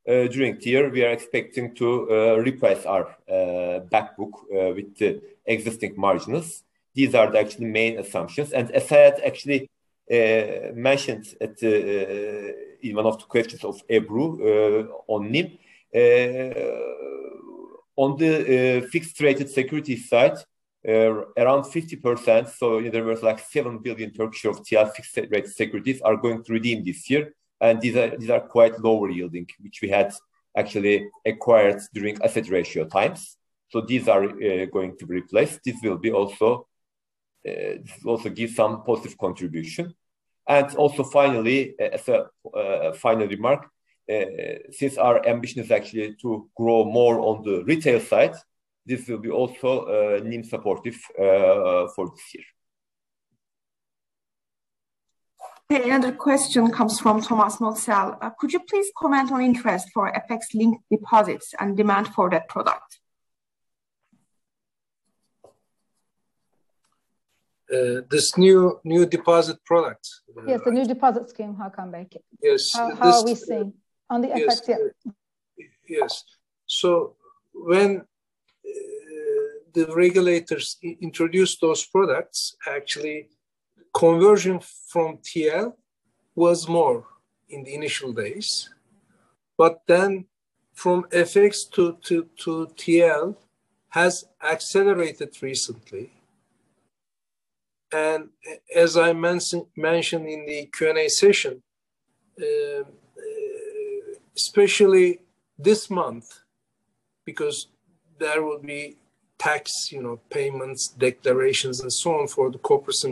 During the year, we are expecting to reprice our back book with the existing margins. These are actually the main assumptions. As I had actually mentioned in one of the questions of Ebru on NIM, on the fixed-rate security side, around 50%, so there was like 7 billion of fixed-rate securities are going to redeem this year. These are quite lower yielding, which we had actually acquired during asset ratio times. These are going to be replaced. This will also give some positive contribution. Finally, as a final remark, since our ambition is actually to grow more on the retail side, this will also be NIM supportive for this year. Okay. Another question comes from Tomasz Noetzell. Could you please comment on interest for FX-linked deposits and demand for that product? This new deposit product? Yes, the new deposit scheme, Hakan Bey. Yes. How are we seeing on the FX? Yeah. Yes. When the regulators introduced those products, actually conversion from TL was more in the initial days. From FX to TL has accelerated recently. As I mentioned in the Q&A session, especially this month because there will be tax, you know, payments, declarations, and so on for the corporate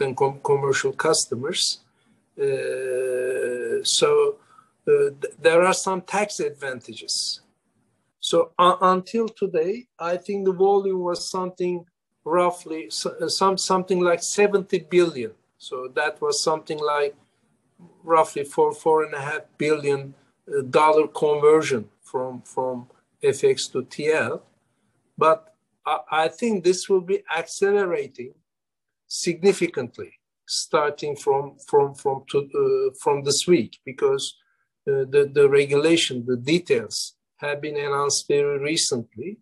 and commercial customers. There are some tax advantages. Until today, I think the volume was roughly 70 billion. That was roughly $4.5 billion conversion from FX to TL. I think this will be accelerating significantly starting from this week because the regulation details have been announced very recently,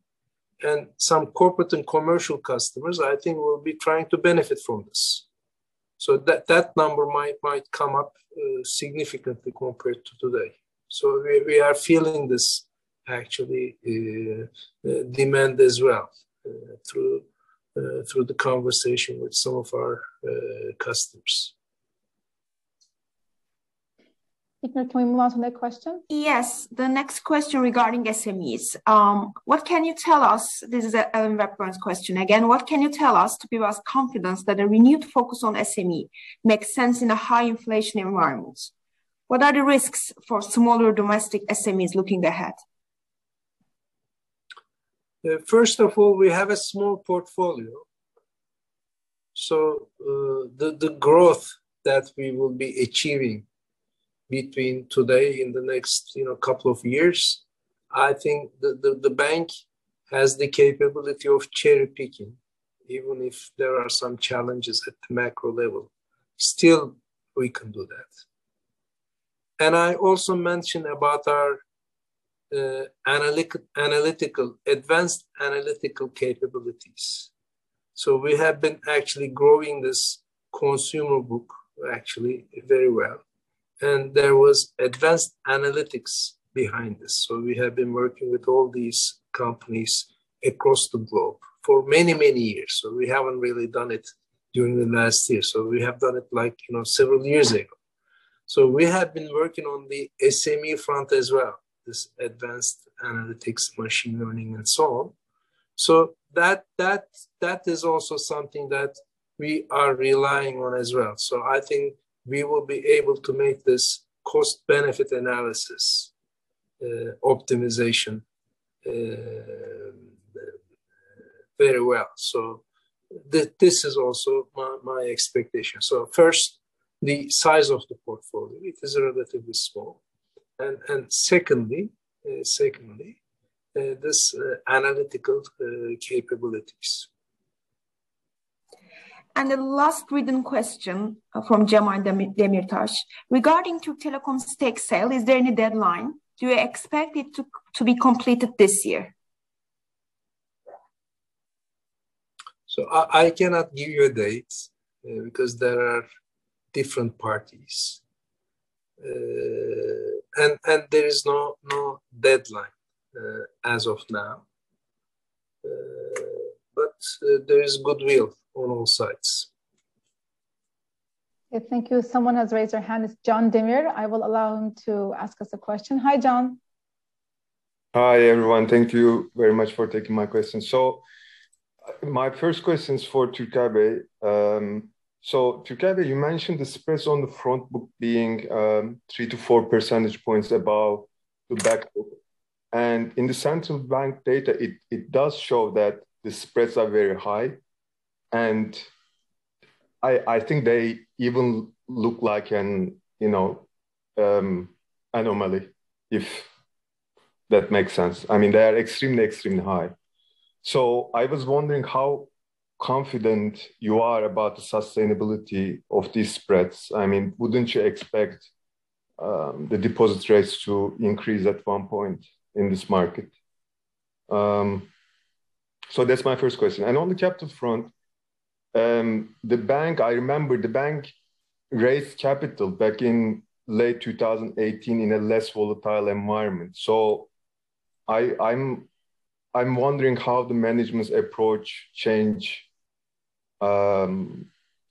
and some corporate and commercial customers, I think will be trying to benefit from this. That number might come up significantly compared to today. We are feeling this actually demand as well through the conversation with some of our customers. Ekrem, can we move on to next question? Yes. The next question regarding SMEs. What can you tell us? This is Ellen Blackburn's question. Again, what can you tell us to give us confidence that a renewed focus on SME makes sense in a high inflation environment? What are the risks for smaller domestic SMEs looking ahead? First of all, we have a small portfolio. The growth that we will be achieving between today in the next, you know, couple of years, I think the bank has the capability of cherry-picking, even if there are some challenges at the macro level. Still, we can do that. I also mentioned about our advanced analytical capabilities. We have been actually growing this consumer book actually very well, and there was advanced analytics behind this. We have been working with all these companies across the globe for many, many years. We haven't really done it during the last year. We have done it like, you know, several years ago. We have been working on the SME front as well, this advanced analytics, machine learning and so on. That is also something that we are relying on as well. I think we will be able to make this cost-benefit analysis, optimization, very well. This is also my expectation. First, the size of the portfolio, it is relatively small. Secondly, this analytical capabilities. The last written question from Cemal Demirtaş. Regarding Türk Telekom's stake sale, is there any deadline? Do you expect it to be completed this year? I cannot give you a date, because there are different parties. There is no deadline, as of now. There is goodwill on all sides. Okay, thank you. Someone has raised their hand. It's Can Demir. I will allow him to ask us a question. Hi, Can. Hi, everyone. Thank you very much for taking my question. My first question is for Türker. Türker, you mentioned the spreads on the front book being 3-4 percentage points above the back book. In the Central Bank data, it does show that the spreads are very high. I think they even look like an anomaly, you know, if that makes sense. I mean, they are extremely high. I was wondering how confident you are about the sustainability of these spreads. I mean, wouldn't you expect the deposit rates to increase at one point in this market? That's my first question. On the capital front, the bank, I remember the bank raised capital back in late 2018 in a less volatile environment. I'm wondering how the management's approach change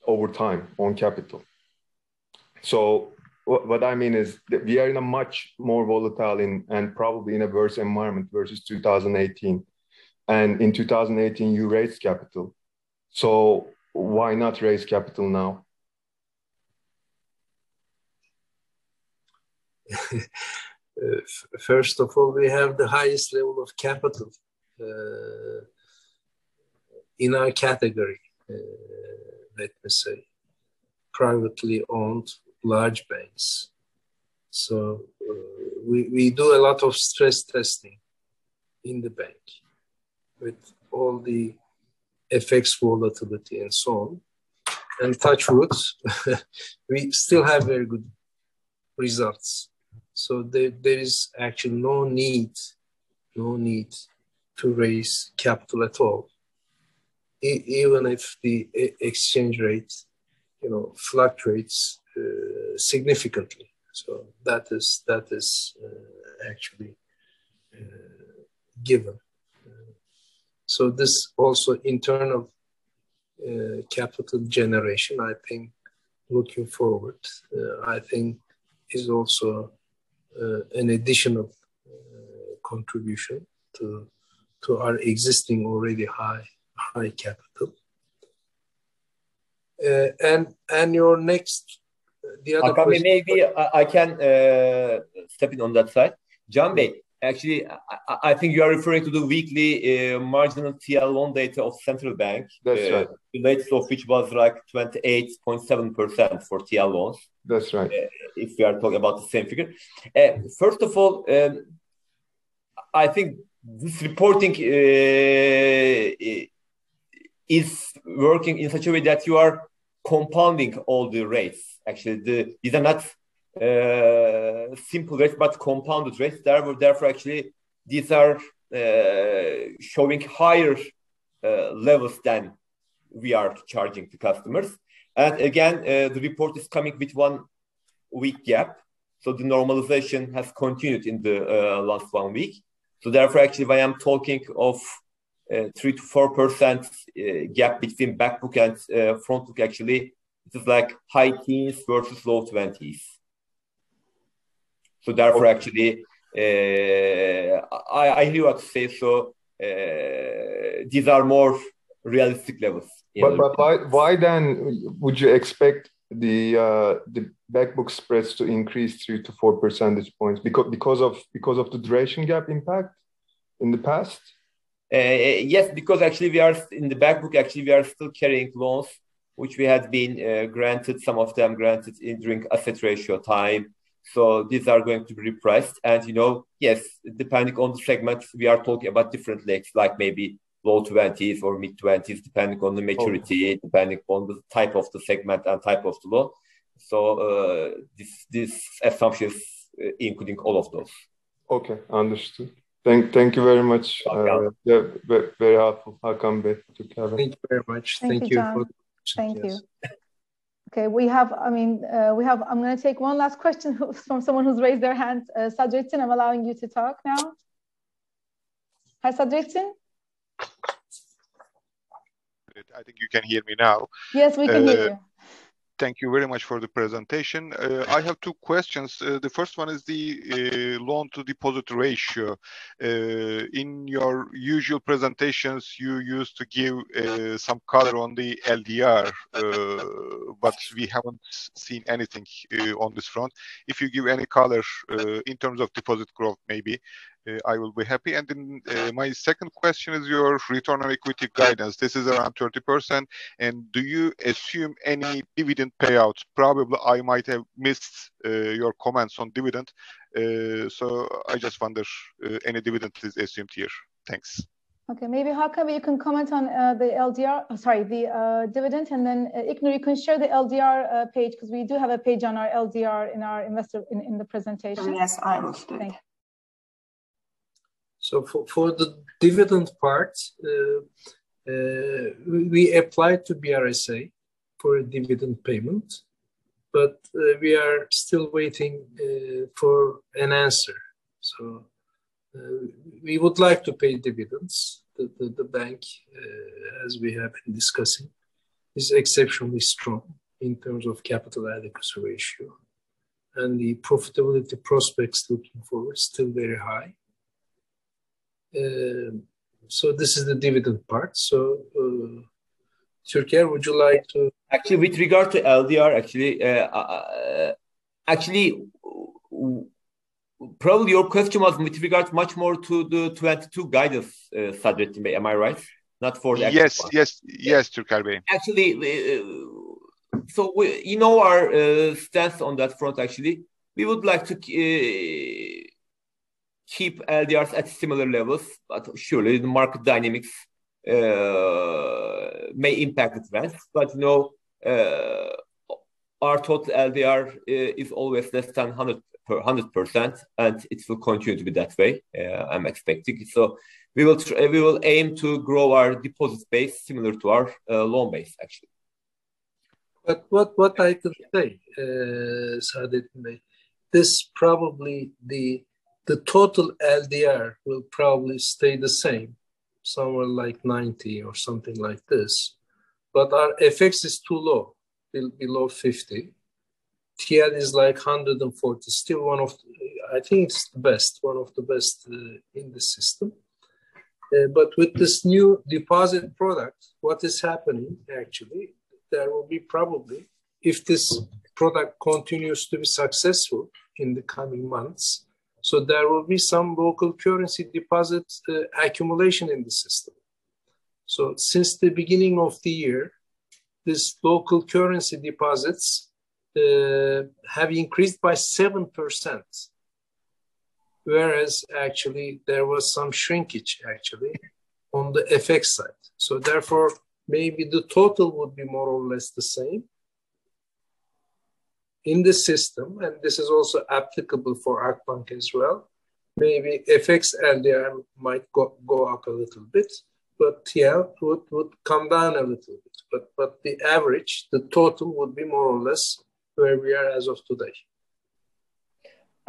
over time on capital. What I mean is we are in a much more volatile and probably in adverse environment versus 2018. In 2018, you raised capital. Why not raise capital now? First of all, we have the highest level of capital in our category, let me say, privately owned large banks. We do a lot of stress testing in the bank with all the FX volatility and so on. Touch wood, we still have very good results. There is actually no need to raise capital at all, even if the exchange rate, you know, fluctuates significantly. That is actually given. This also internal capital generation, I think looking forward, I think is also an additional contribution to our existing already high capital. Your next, the other question- Hakan, maybe I can step in on that side. Can Demir, actually I think you are referring to the weekly marginal TL loan data of central bank. That's right. The rates of which was like 28.7% for TL loans. That's right. If we are talking about the same figure. First of all, I think this reporting is working in such a way that you are compounding all the rates. Actually these are not simple rates, but compounded rates. Therefore, actually these are showing higher levels than we are charging the customers. Again, the report is coming with one week gap, so the normalization has continued in the last one week. Actually, if I am talking of 3%-4% gap between back book and front book, actually it is like high teens% versus low twenties%. Actually, I hear what you say, so these are more realistic levels in the- Why then would you expect the back book spreads to increase 3-4 percentage points because of the duration gap impact in the past? Yes, because actually we are in the back book. Actually we are still carrying loans, some of them granted during asset ratio time. These are going to be repriced. You know, yes, depending on the segments, we are talking about different legs, like maybe low 20s or mid-20s, depending on the maturity. Oh. Depending on the type of the segment and type of the loan. This assumption is including all of those. Okay. Understood. Thank you very much. Welcome. Yeah. Very, very helpful, Hakan Binbaşgil. Thank you very much. Thank you, Can. Thank you for the presentation. Yes. Thank you. Okay. We have, I mean, I'm gonna take one last question from someone who's raised their hand. Sadrettin, I'm allowing you to talk now. Hi, Sadrettin. Great. I think you can hear me now. Yes, we can hear you. Thank you very much for the presentation. Thank you. I have two questions. The first one is the loan to deposit ratio. In your usual presentations, you used to give some color on the LDR. But we haven't seen anything on this front. If you give any color in terms of deposit growth, maybe I will be happy. My second question is your return on equity guidance. This is around 30%. Do you assume any dividend payouts? Probably I might have missed your comments on dividend, so I just wonder any dividend is assumed here. Thanks. Okay. Maybe, Hakan, you can comment on the LDR. Sorry, the dividend, and then, Ilknur, you can share the LDR page, 'cause we do have a page on our LDR in our investor presentation. Yes, I will do. Thanks. For the dividend part, we applied to BRSA for a dividend payment, but we are still waiting for an answer. We would like to pay dividends. The bank, as we have been discussing, is exceptionally strong in terms of capital adequacy ratio, and the profitability prospects looking forward still very high. This is the dividend part. Turker, would you like to- Actually, with regard to LDR, actually, probably your question was with regards much more to the 2022 guidance, Sadrettin Bey. Am I right? Not for the actual- Yes, Türker Bey. Actually, you know our stance on that front actually. We would like to keep LDR at similar levels, but surely the market dynamics may impact events. You know, our total LDR is always less than 100%, and it will continue to be that way, I'm expecting. We will aim to grow our deposit base similar to our loan base actually. I could say, Sadrettin Bey, this probably the total LDR will probably stay the same, somewhere like 90% or something like this. Our FX is too low, below 50%. TL is like 140%. Still one of, I think, the best in the system. With this new deposit product, what is happening actually, there will be probably, if this product continues to be successful in the coming months, there will be some local currency deposits accumulation in the system. Since the beginning of the year, this local currency deposits have increased by 7%, whereas actually there was some shrinkage actually on the FX side. Therefore, maybe the total would be more or less the same in the system, and this is also applicable for Akbank as well. Maybe FX LDR might go up a little bit, but TL would come down a little bit. The average, the total would be more or less where we are as of today.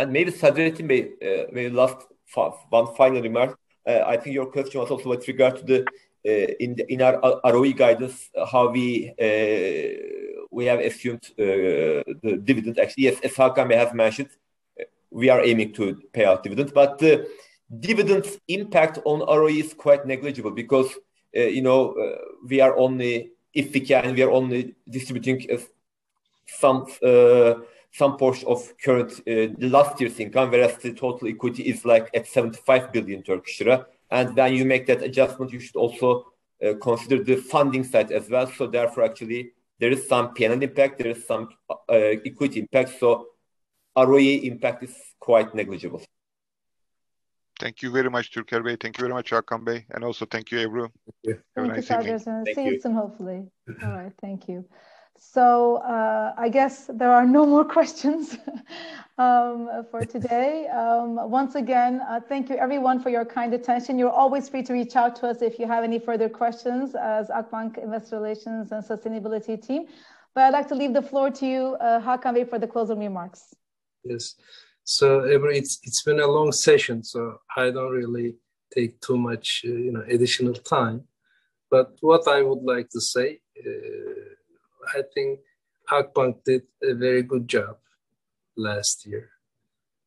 Maybe Sadrettin may last for one final remark. I think your question was also with regard to in our ROE guidance, how we have assumed the dividends. Actually, yes, as Hakan may have mentioned, we are aiming to pay out dividends. Dividends impact on ROE is quite negligible because you know we are only, if we can, we are only distributing some portion of the last year's income, whereas the total equity is like at 75 billion Turkish lira. You make that adjustment, you should also consider the funding side as well. Therefore, actually, there is some PNL impact, there is some equity impact. ROE impact is quite negligible. Thank you very much, Türker Bey. Thank you very much, Hakan Bey, and also thank you, Ebru. Yeah. Have a nice evening. Thank you, Sadrettin. Thanks. See you soon, hopefully. All right, thank you. I guess there are no more questions for today. Once again, thank you everyone for your kind attention. You're always free to reach out to us if you have any further questions as Akbank Investor Relations and Sustainability Team. I'd like to leave the floor to you, Hakan Bey, for the closing remarks. Yes. Ebru, it's been a long session, so I don't really take too much, you know, additional time. What I would like to say, I think Akbank did a very good job last year,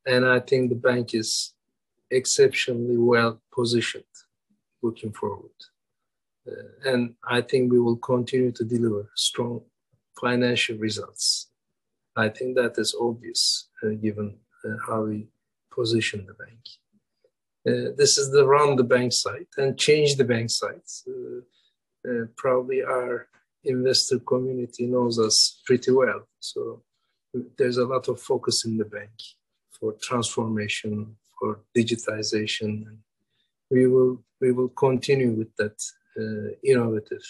and I think the bank is exceptionally well-positioned looking forward. I think we will continue to deliver strong financial results. I think that is obvious, given how we position the bank. This is the Run the Bank side and Change the Bank sides. Probably our investor community knows us pretty well, so there's a lot of focus in the bank for transformation, for digitization, and we will continue with that innovative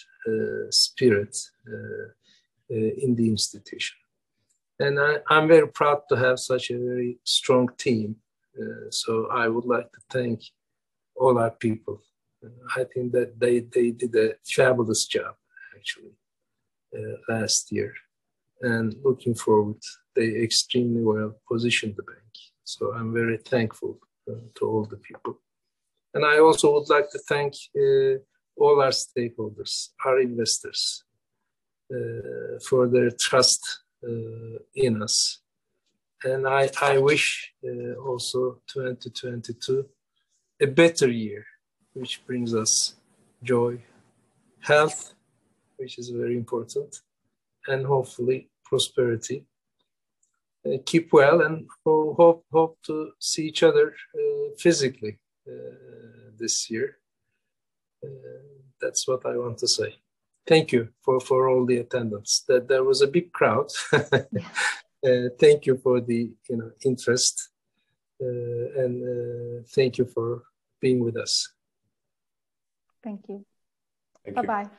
spirit in the institution. I'm very proud to have such a very strong team, so I would like to thank all our people. I think that they did a fabulous job, actually, last year. Looking forward, they extremely well-positioned the bank. I'm very thankful to all the people. I also would like to thank all our stakeholders, our investors, for their trust in us. I wish also 2022 a better year, which brings us joy, health, which is very important, and hopefully prosperity. Keep well, and hope to see each other physically this year. That's what I want to say. Thank you for all the attendance. There was a big crowd. Thank you for the, you know, interest, and thank you for being with us. Thank you. Thank you. Bye-bye.